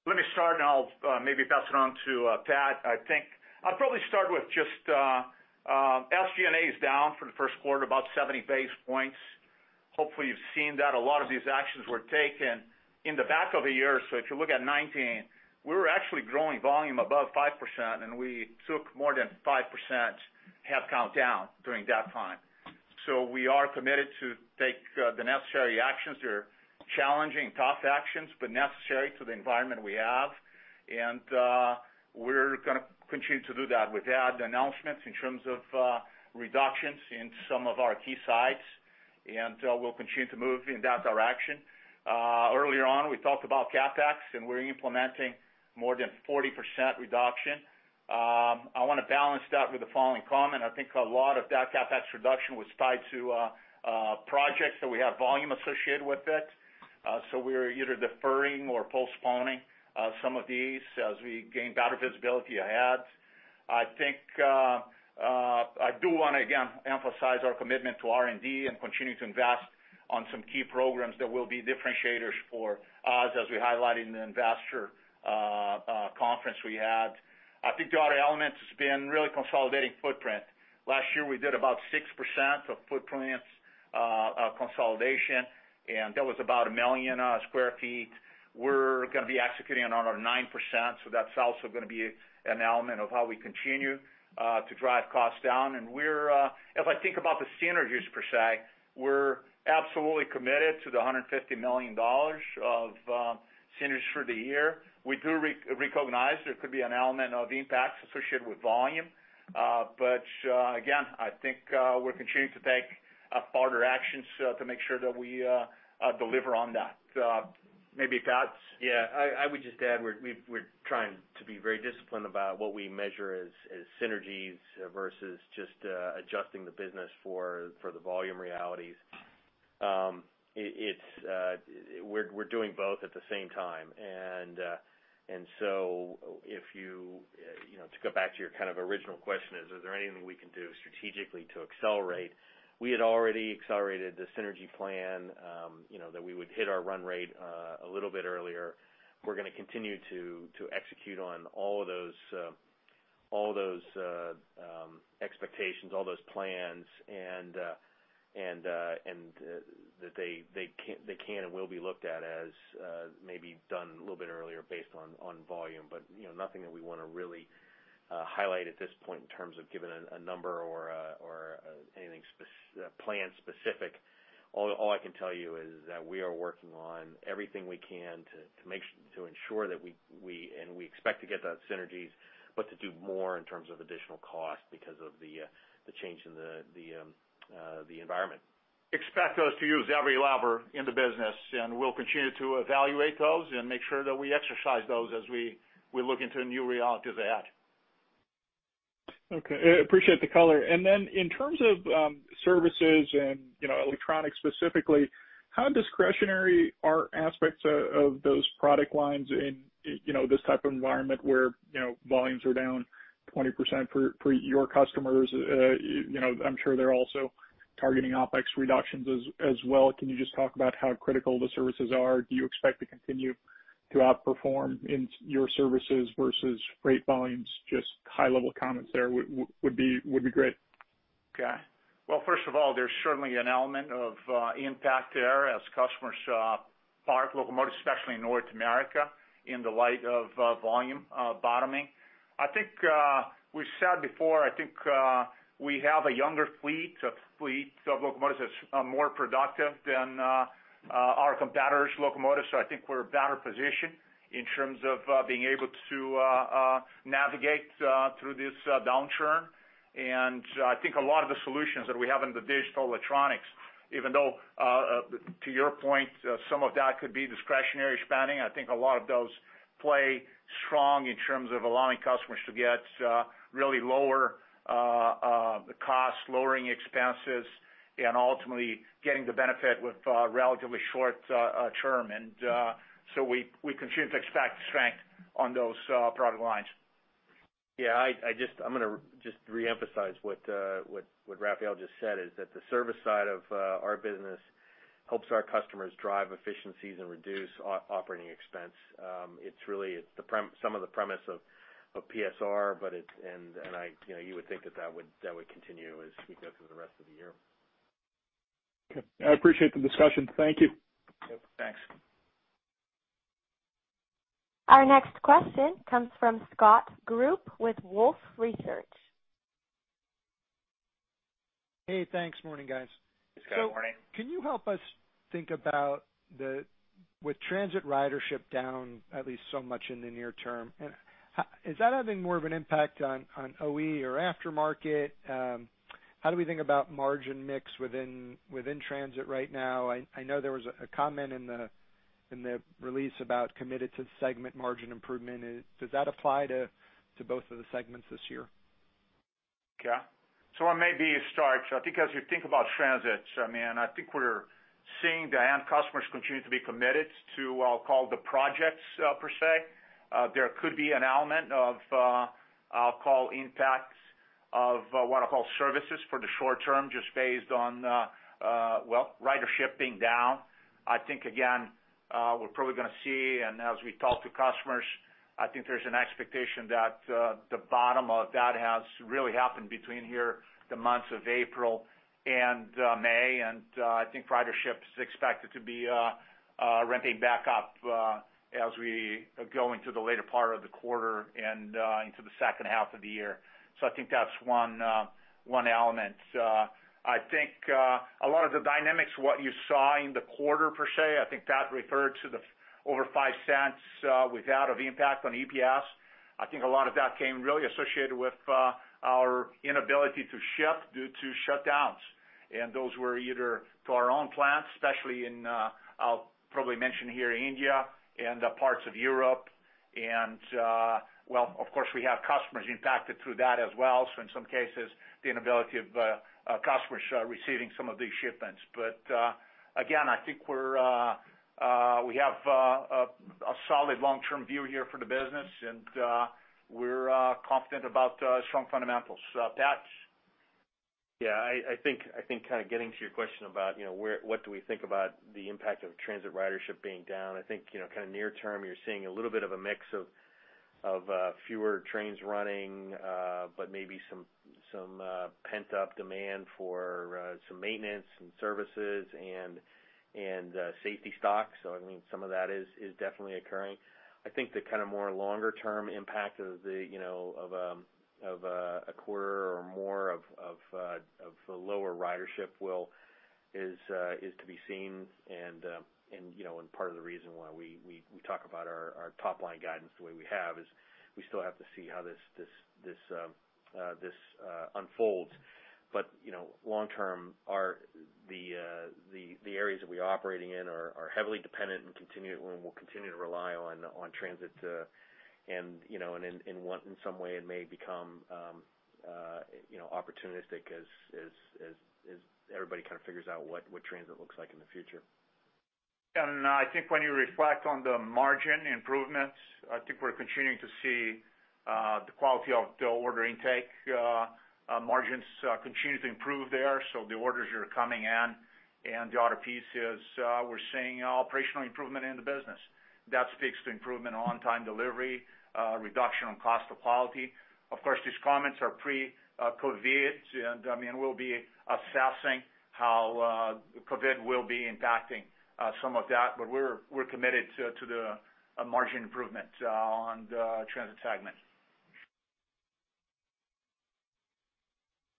S3: Let me start, and I'll maybe pass it on to Pat. I think I'll probably start with just SG&A is down for the first quarter, about 70 basis points. Hopefully, you've seen that. A lot of these actions were taken in the back of the year. So if you look at 2019, we were actually growing volume above 5%, and we took more than 5% headcount down during that time. So we are committed to take the necessary actions. They're challenging, tough actions, but necessary to the environment we have, and we're going to continue to do that. We've had announcements in terms of reductions in some of our key sites, and we'll continue to move in that direction. Earlier on, we talked about CapEx, and we're implementing more than 40% reduction. I want to balance that with the following comment. I think a lot of that CapEx reduction was tied to projects that we have volume associated with it, so we're either deferring or postponing some of these as we gain better visibility ahead. I think I do want to, again, emphasize our commitment to R&D and continue to invest on some key programs that will be differentiators for us, as we highlighted in the investor conference we had. I think the other element has been really consolidating footprint. Last year, we did about 6% of footprint consolidation, and that was about a million sq ft. We're going to be executing on our 9%. So that's also going to be an element of how we continue to drive costs down. And if I think about the synergies per se, we're absolutely committed to the $150 million of synergies for the year. We do recognize there could be an element of impacts associated with volume. But again, I think we're continuing to take further actions to make sure that we deliver on that. Maybe Pat.
S4: Yeah. I would just add we're trying to be very disciplined about what we measure as synergies versus just adjusting the business for the volume realities. We're doing both at the same time. So if you go back to your kind of original question, is there anything we can do strategically to accelerate? We had already accelerated the synergy plan that we would hit our run rate a little bit earlier. We're going to continue to execute on all of those expectations, all those plans, and that they can and will be looked at as maybe done a little bit earlier based on volume. But nothing that we want to really highlight at this point in terms of giving a number or anything plan-specific. All I can tell you is that we are working on everything we can to ensure that we expect to get those synergies, but to do more in terms of additional cost because of the change in the environment. Expect us to use every lever in the business. And we'll continue to evaluate those and make sure that we exercise those as we look into new realities ahead.
S9: Okay. I appreciate the color. And then in terms of services and electronics specifically, how discretionary are aspects of those product lines in this type of environment where volumes are down 20% for your customers? I'm sure they're also targeting OpEx reductions as well. Can you just talk about how critical the services are? Do you expect to continue to outperform in your services versus freight volumes? Just high-level comments there would be great.
S3: Okay. Well, first of all, there's certainly an element of impact there as customers buy locomotives, especially in North America, in the light of volume bottoming. I think we've said before, I think we have a younger fleet of locomotives that's more productive than our competitors' locomotives. So I think we're in a better position in terms of being able to navigate through this downturn. And I think a lot of the solutions that we have in the digital electronics, even though to your point, some of that could be discretionary spending, I think a lot of those play strong in terms of allowing customers to get really lower costs, lowering expenses, and ultimately getting the benefit with a relatively short term. And so we continue to expect strength on those product lines.
S4: Yeah. I'm going to just reemphasize what Rafael just said is that the service side of our business helps our customers drive efficiencies and reduce operating expense. It's really some of the premise of PSR, and you would think that that would continue as we go through the rest of the year.
S9: Okay. I appreciate the discussion. Thank you.
S3: Thanks.
S1: Our next question comes from Scott Group with Wolfe Research.
S10: Hey, thanks. Morning, guys.
S3: Hey, Scott. Morning.
S10: So can you help us think about the with transit ridership down at least so much in the near term, is that having more of an impact on OE or aftermarket? How do we think about margin mix within transit right now? I know there was a comment in the release about committed to segment margin improvement. Does that apply to both of the segments this year?
S3: Okay. So I may be a stretch. I think as you think about transit, I mean, I think we're seeing the end customers continue to be committed to, I'll call, the projects per se. There could be an element of, I'll call, impacts of what I'll call services for the short term just based on, well, ridership being down. I think, again, we're probably going to see, and as we talk to customers, I think there's an expectation that the bottom of that has really happened between here the months of April and May, and I think ridership is expected to be ramping back up as we go into the later part of the quarter and into the second half of the year, so I think that's one element. I think a lot of the dynamics, what you saw in the quarter per se, I think that referred to the over $0.05 worth of impact on EPS. I think a lot of that came really associated with our inability to ship due to shutdowns, and those were either to our own plants, especially in, I'll probably mention here, India and parts of Europe, and well, of course, we have customers impacted through that as well. So in some cases, the inability of customers receiving some of these shipments. But again, I think we have a solid long-term view here for the business, and we're confident about strong fundamentals. Pat?
S4: Yeah. I think kind of getting to your question about what do we think about the impact of transit ridership being down. I think kind of near term, you're seeing a little bit of a mix of fewer trains running, but maybe some pent-up demand for some maintenance and services and safety stocks. So I mean, some of that is definitely occurring. I think the kind of more longer-term impact of a quarter or more of lower ridership will is to be seen. And part of the reason why we talk about our top-line guidance the way we have is we still have to see how this unfolds. But long term, the areas that we are operating in are heavily dependent and continue and will continue to rely on transit. And in some way, it may become opportunistic as everybody kind of figures out what transit looks like in the future.
S3: And I think when you reflect on the margin improvements, I think we're continuing to see the quality of the order intake margins continue to improve there. So the orders are coming in. And the other piece is we're seeing operational improvement in the business. That speaks to improvement on time delivery, reduction on cost of quality. Of course, these comments are pre-COVID. And I mean, we'll be assessing how COVID will be impacting some of that. But we're committed to the margin improvement on the transit segment.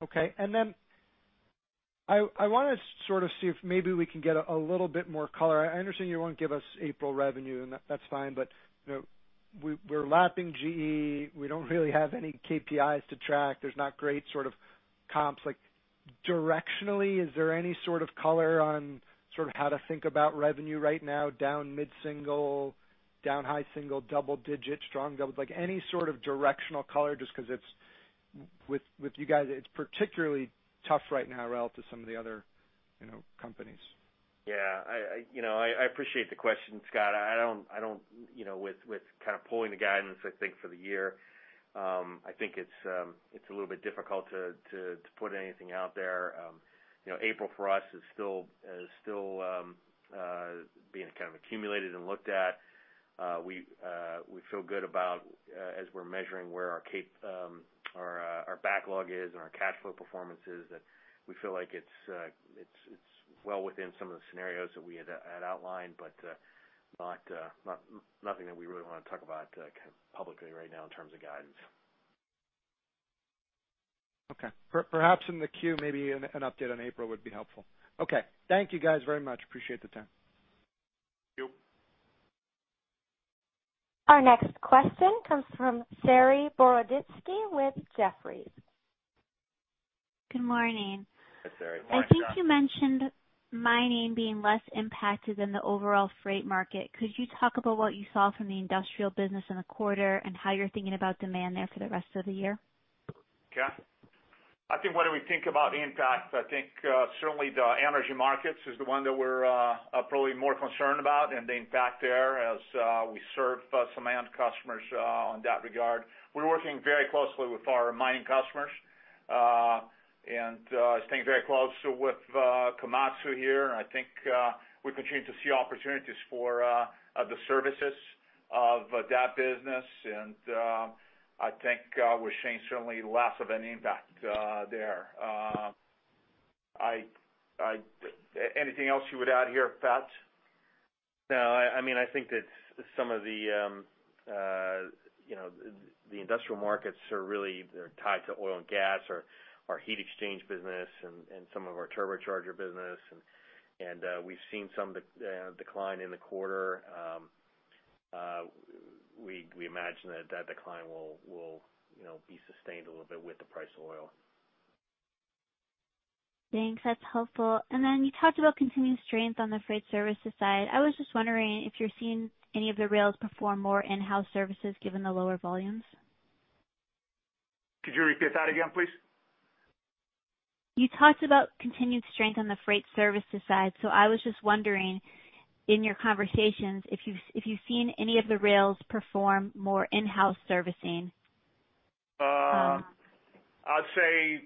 S10: Okay. And then I want to sort of see if maybe we can get a little bit more color. I understand you won't give us April revenue, and that's fine. But we're lapping GE. We don't really have any KPIs to track. There's not great sort of comps. Directionally, is there any sort of color on sort of how to think about revenue right now? Down mid-single, down high single, double-digit, strong double-digit? Any sort of directional color just because with you guys, it's particularly tough right now relative to some of the other companies.
S3: Yeah. I appreciate the question, Scott. I don't with kind of pulling the guidance, I think, for the year, I think it's a little bit difficult to put anything out there. April for us is still being kind of accumulated and looked at. We feel good about as we're measuring where our backlog is and our cash flow performance is that we feel like it's well within some of the scenarios that we had outlined, but nothing that we really want to talk about kind of publicly right now in terms of guidance.
S10: Okay. Perhaps in the queue, maybe an update on April would be helpful. Okay. Thank you guys very much. Appreciate the time.
S3: Thank you.
S1: Our next question comes from Saree Boroditsky with Jefferies.
S11: Good morning.
S3: Hi, Saree.
S4: Hi, Scott.
S11: I think you mentioned mining being less impacted than the overall freight market. Could you talk about what you saw from the industrial business in the quarter and how you're thinking about demand there for the rest of the year?
S3: Okay. I think when we think about impact, I think certainly the energy markets is the one that we're probably more concerned about and the impact there as we serve some end customers on that regard. We're working very closely with our mining customers and staying very close with Komatsu here. I think we continue to see opportunities for the services of that business. And I think we're seeing certainly less of an impact there. Anything else you would add here, Pat?
S4: No. I mean, I think that some of the industrial markets are really tied to oil and gas or our heat exchange business and some of our turbocharger business. And we've seen some decline in the quarter. We imagine that that decline will be sustained a little bit with the price of oil.
S11: Thanks. That's helpful. And then you talked about continued strength on the freight services side. I was just wondering if you're seeing any of the rails perform more in-house services given the lower volumes.
S3: Could you repeat that again, please?
S11: You talked about continued strength on the freight services side. So I was just wondering in your conversations if you've seen any of the rails perform more in-house servicing.
S3: I'd say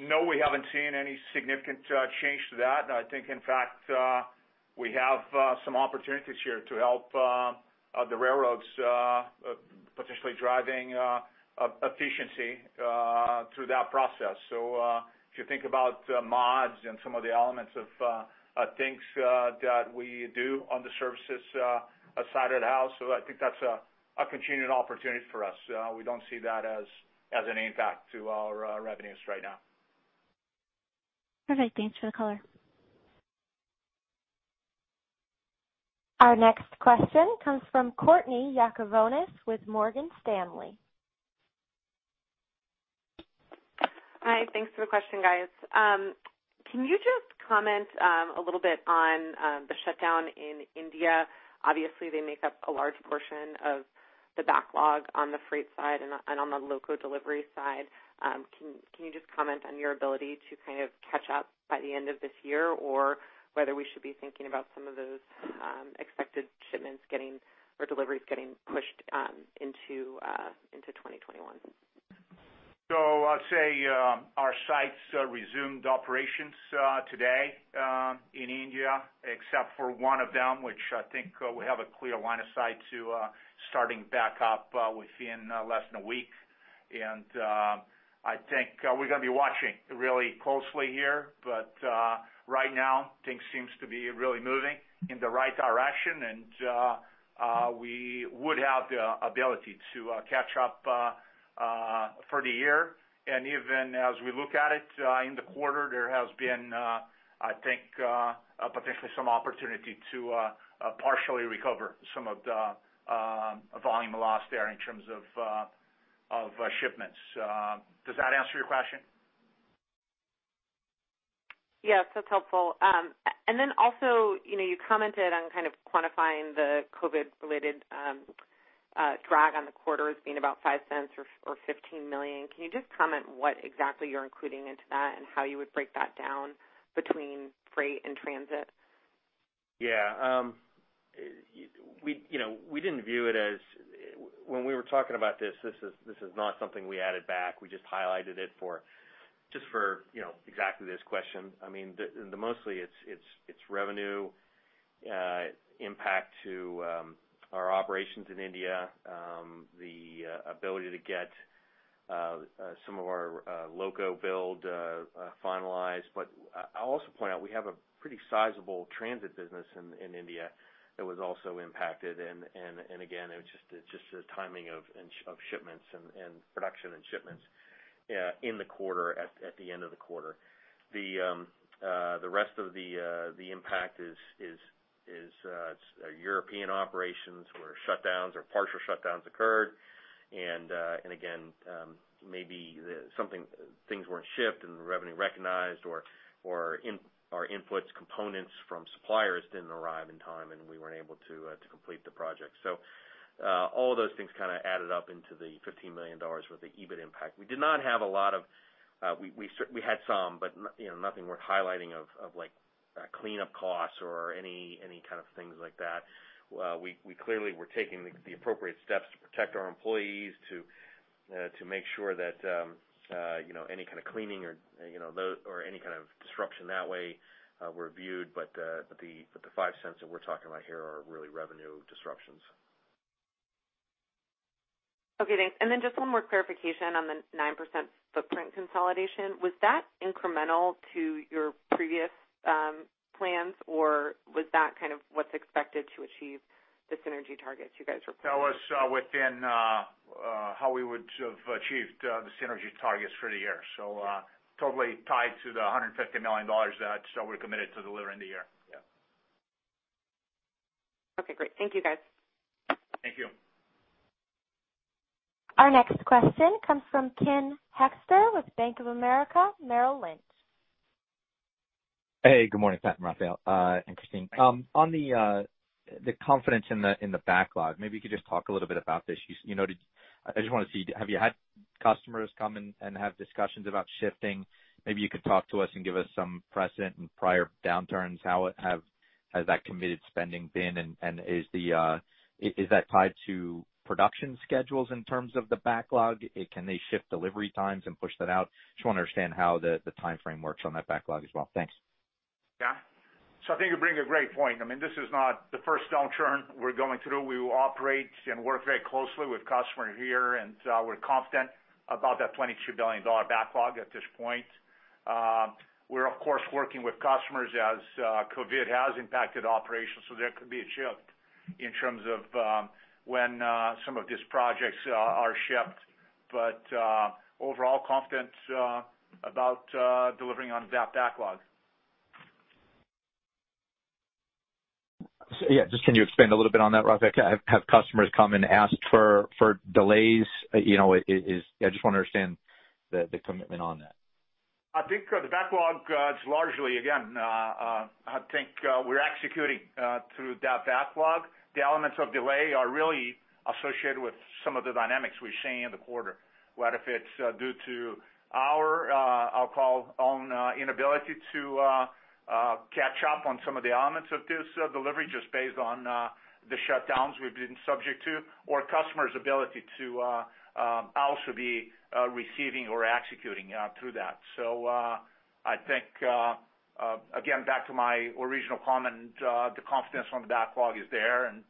S3: no, we haven't seen any significant change to that. I think, in fact, we have some opportunities here to help the railroads potentially driving efficiency through that process. So if you think about mods and some of the elements of things that we do on the services side of the house, I think that's a continued opportunity for us. We don't see that as an impact to our revenues right now.
S11: Perfect. Thanks for the color.
S1: Our next question comes from Courtney Yakavonis with Morgan Stanley.
S12: Hi. Thanks for the question, guys. Can you just comment a little bit on the shutdown in India? Obviously, they make up a large portion of the backlog on the freight side and on the local delivery side. Can you just comment on your ability to kind of catch up by the end of this year or whether we should be thinking about some of those expected shipments or deliveries getting pushed into 2021?
S3: So I'd say our sites resumed operations today in India, except for one of them, which I think we have a clear line of sight to starting back up within less than a week. And I think we're going to be watching really closely here. But right now, things seem to be really moving in the right direction. And we would have the ability to catch up for the year. Even as we look at it in the quarter, there has been, I think, potentially some opportunity to partially recover some of the volume loss there in terms of shipments. Does that answer your question?
S12: Yes. That's helpful. And then also, you commented on kind of quantifying the COVID-related drag on the quarter as being about $0.05 or $15 million. Can you just comment what exactly you're including into that and how you would break that down between freight and transit?
S4: Yeah. We didn't view it as, when we were talking about this. This is not something we added back. We just highlighted it just for exactly this question. I mean, mostly it's revenue impact to our operations in India, the ability to get some of our loco build finalized. But I'll also point out we have a pretty sizable transit business in India that was also impacted. Again, it was just the timing of shipments and production and shipments in the quarter at the end of the quarter. The rest of the impact is European operations where shutdowns or partial shutdowns occurred. Again, maybe things weren't shipped and the revenue recognized or our inputs, components from suppliers didn't arrive in time and we weren't able to complete the project. All of those things kind of added up into the $15 million worth of EBITDA impact. We did not have a lot of. We had some, but nothing worth highlighting of cleanup costs or any kind of things like that. We clearly were taking the appropriate steps to protect our employees, to make sure that any kind of cleaning or any kind of disruption that way were viewed. The five cents that we're talking about here are really revenue disruptions.
S12: Okay. Thanks. And then just one more clarification on the 9% footprint consolidation. Was that incremental to your previous plans or was that kind of what's expected to achieve the synergy targets you guys were pursuing?
S3: That was within how we would have achieved the synergy targets for the year. So totally tied to the $150 million that we're committed to delivering the year. Yeah.
S12: Okay. Great. Thank you, guys.
S3: Thank you.
S1: Our next question comes from Ken Hoexter with Bank of America Merrill Lynch.
S13: Hey. Good morning, Pat, Rafael, and Kristine. On the confidence in the backlog, maybe you could just talk a little bit about this. I just want to see, have you had customers come and have discussions about shifting? Maybe you could talk to us and give us some precedent and prior downturns. How has that committed spending been? Is that tied to production schedules in terms of the backlog? Can they shift delivery times and push that out? Just want to understand how the timeframe works on that backlog as well. Thanks.
S3: Yeah. So I think you bring a great point. I mean, this is not the first downturn we're going through. We operate and work very closely with customers here. And we're confident about that $22 billion backlog at this point. We're, of course, working with customers as COVID has impacted operations. So there could be a shift in terms of when some of these projects are shipped. But overall, confident about delivering on that backlog.
S13: Yeah. Just can you expand a little bit on that, Rafael? Have customers come and asked for delays? I just want to understand the commitment on that.
S3: I think the backlog is largely, again, I think we're executing through that backlog. The elements of delay are really associated with some of the dynamics we're seeing in the quarter. Whether if it's due to our, I'll call, own inability to catch up on some of the elements of this delivery just based on the shutdowns we've been subject to or customers' ability to also be receiving or executing through that. So I think, again, back to my original comment, the confidence on the backlog is there, and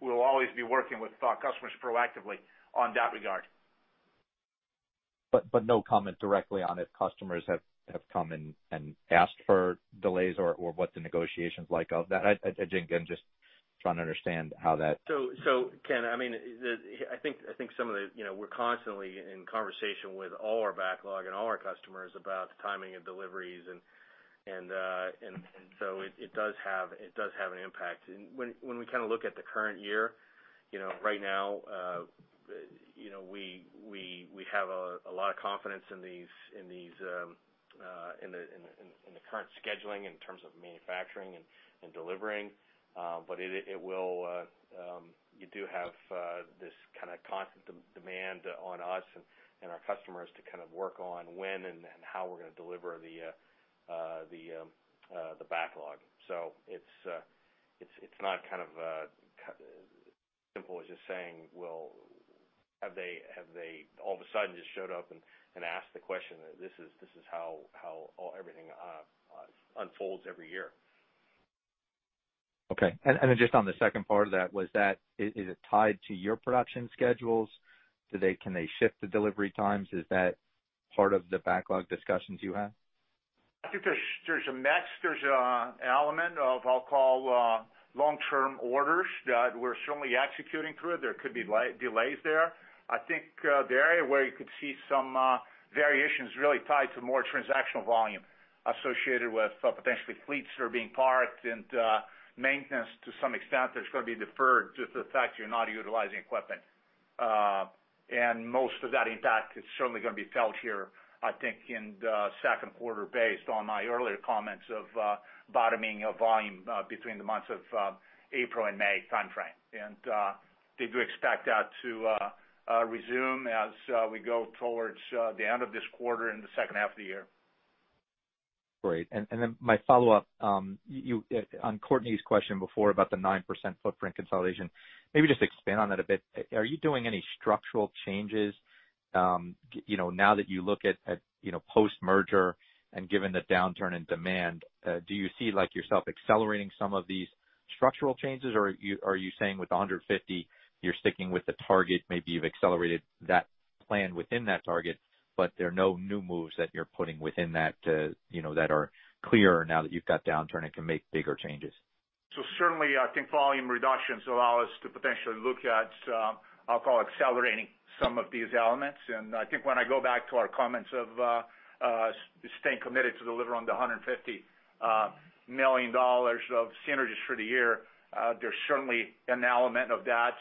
S3: we'll always be working with customers proactively on that regard,
S13: but no comment directly on if customers have come and asked for delays or what the negotiations like of that. Again, just trying to understand how that.
S4: So, Ken, I mean, I think some of the, we're constantly in conversation with all our backlog and all our customers about timing of deliveries. And so it does have an impact. When we kind of look at the current year, right now, we have a lot of confidence in the current scheduling in terms of manufacturing and delivering. But you do have this kind of constant demand on us and our customers to kind of work on when and how we're going to deliver the backlog. So it's not as simple as just saying, "Well, have they all of a sudden just showed up and asked the question." This is how everything unfolds every year.
S13: Okay. And then just on the second part of that, is it tied to your production schedules? Can they shift the delivery times? Is that part of the backlog discussions you have?
S3: I think there's a mixed element of, I'll call, long-term orders that we're certainly executing through. There could be delays there. I think the area where you could see some variation is really tied to more transactional volume associated with potentially fleets that are being parked and maintenance to some extent that's going to be deferred due to the fact you're not utilizing equipment. And most of that impact is certainly going to be felt here, I think, in the second quarter based on my earlier comments of bottoming of volume between the months of April and May timeframe. And they do expect that to resume as we go towards the end of this quarter and the second half of the year.
S13: Great. And then my follow-up on Courtney's question before about the 9% footprint consolidation. Maybe just expand on that a bit. Are you doing any structural changes now that you look at post-merger and given the downturn in demand? Do you see yourself accelerating some of these structural changes? Or are you saying with 150, you're sticking with the target? Maybe you've accelerated that plan within that target, but there are no new moves that you're putting within that that are clearer now that you've got downturn and can make bigger changes?
S3: So certainly, I think volume reductions allow us to potentially look at, I'll call, accelerating some of these elements. And I think when I go back to our comments of staying committed to deliver on the $150 million of synergies for the year, there's certainly an element of that.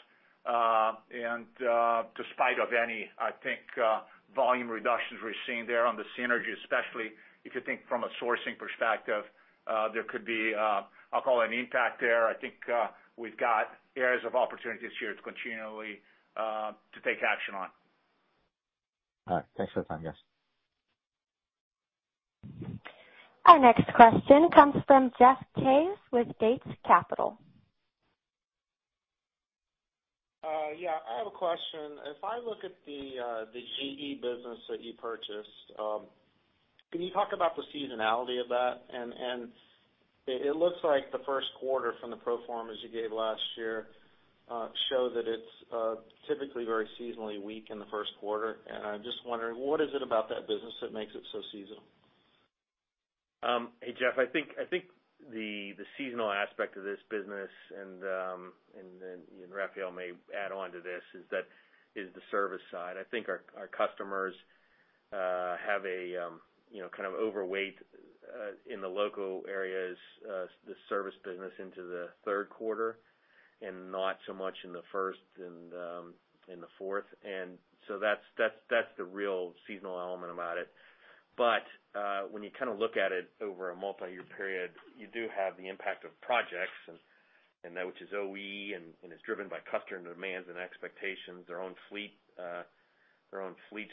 S3: And despite of any, I think, volume reductions we're seeing there on the synergy, especially if you think from a sourcing perspective, there could be, I'll call, an impact there. I think we've got areas of opportunity this year to continually take action on.
S13: All right. Thanks for the time, guys.
S1: Our next question comes from Jeff Case with Gates Capital.
S14: Yeah. I have a question. If I look at the GE business that you purchased, can you talk about the seasonality of that? And it looks like the first quarter from the pro forma you gave last year show that it's typically very seasonally weak in the first quarter. And I'm just wondering, what is it about that business that makes it so seasonal?
S4: Hey, Jeff, I think the seasonal aspect of this business, and Rafael may add on to this, is the service side. I think our customers have a kind of overweight in the local areas, the service business into the third quarter and not so much in the first and the fourth, and so that's the real seasonal element about it, but when you kind of look at it over a multi-year period, you do have the impact of projects, which is OE, and it's driven by customer demands and expectations, their own fleet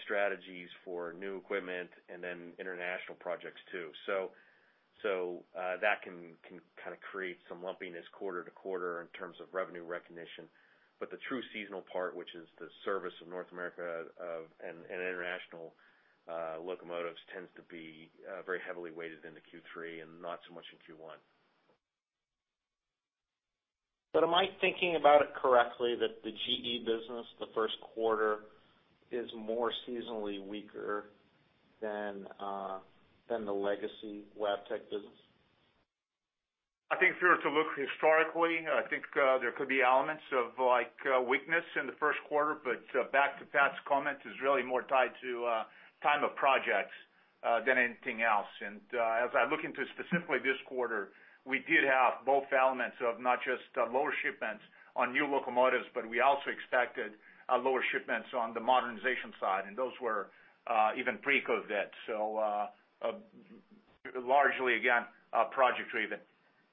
S4: strategies for new equipment, and then international projects too, so that can kind of create some lumpiness quarter to quarter in terms of revenue recognition, but the true seasonal part, which is the service of North America and international locomotives, tends to be very heavily weighted in the Q3 and not so much in Q1,
S14: but am I thinking about it correctly that the GE business, the first quarter, is more seasonally weaker than the legacy Wabtec business?
S3: I think if you were to look historically, I think there could be elements of weakness in the first quarter. But back to Pat's comment is really more tied to time of projects than anything else. And as I look into specifically this quarter, we did have both elements of not just lower shipments on new locomotives, but we also expected lower shipments on the modernization side. And those were even pre-COVID. So largely, again, project-driven.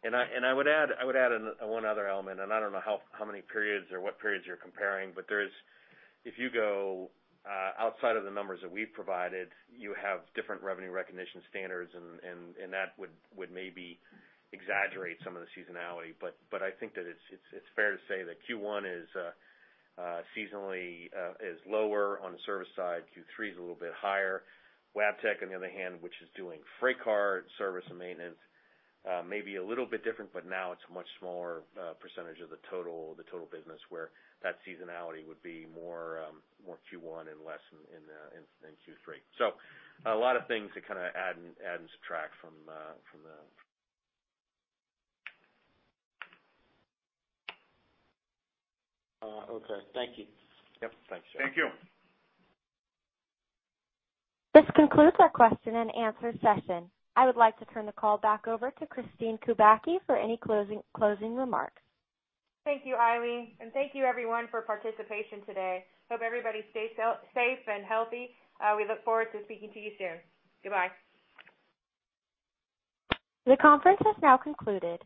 S3: And I would add one other element. And I don't know how many periods or what periods you're comparing, but if you go outside of the numbers that we've provided, you have different revenue recognition standards. And that would maybe exaggerate some of the seasonality. But I think that it's fair to say that Q1 is seasonally lower on the service side. Q3 is a little bit higher. Wabtec, on the other hand, which is doing freight car service and maintenance, may be a little bit different, but now it's a much smaller percentage of the total business where that seasonality would be more Q1 and less in Q3. So a lot of things to kind of add and subtract from the.
S14: Okay. Thank you.
S4: Yep. Thanks, Jeff.
S3: Thank you.
S1: This concludes our question and answer session. I would like to turn the call back over to Kristine Kubacki for any closing remarks.
S2: Thank you, Eileen. And thank you, everyone, for participation today. Hope everybody stays safe and healthy. We look forward to speaking to you soon. Goodbye.
S1: The conference has now concluded.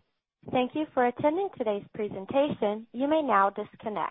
S1: Thank you for attending today's presentation. You may now disconnect.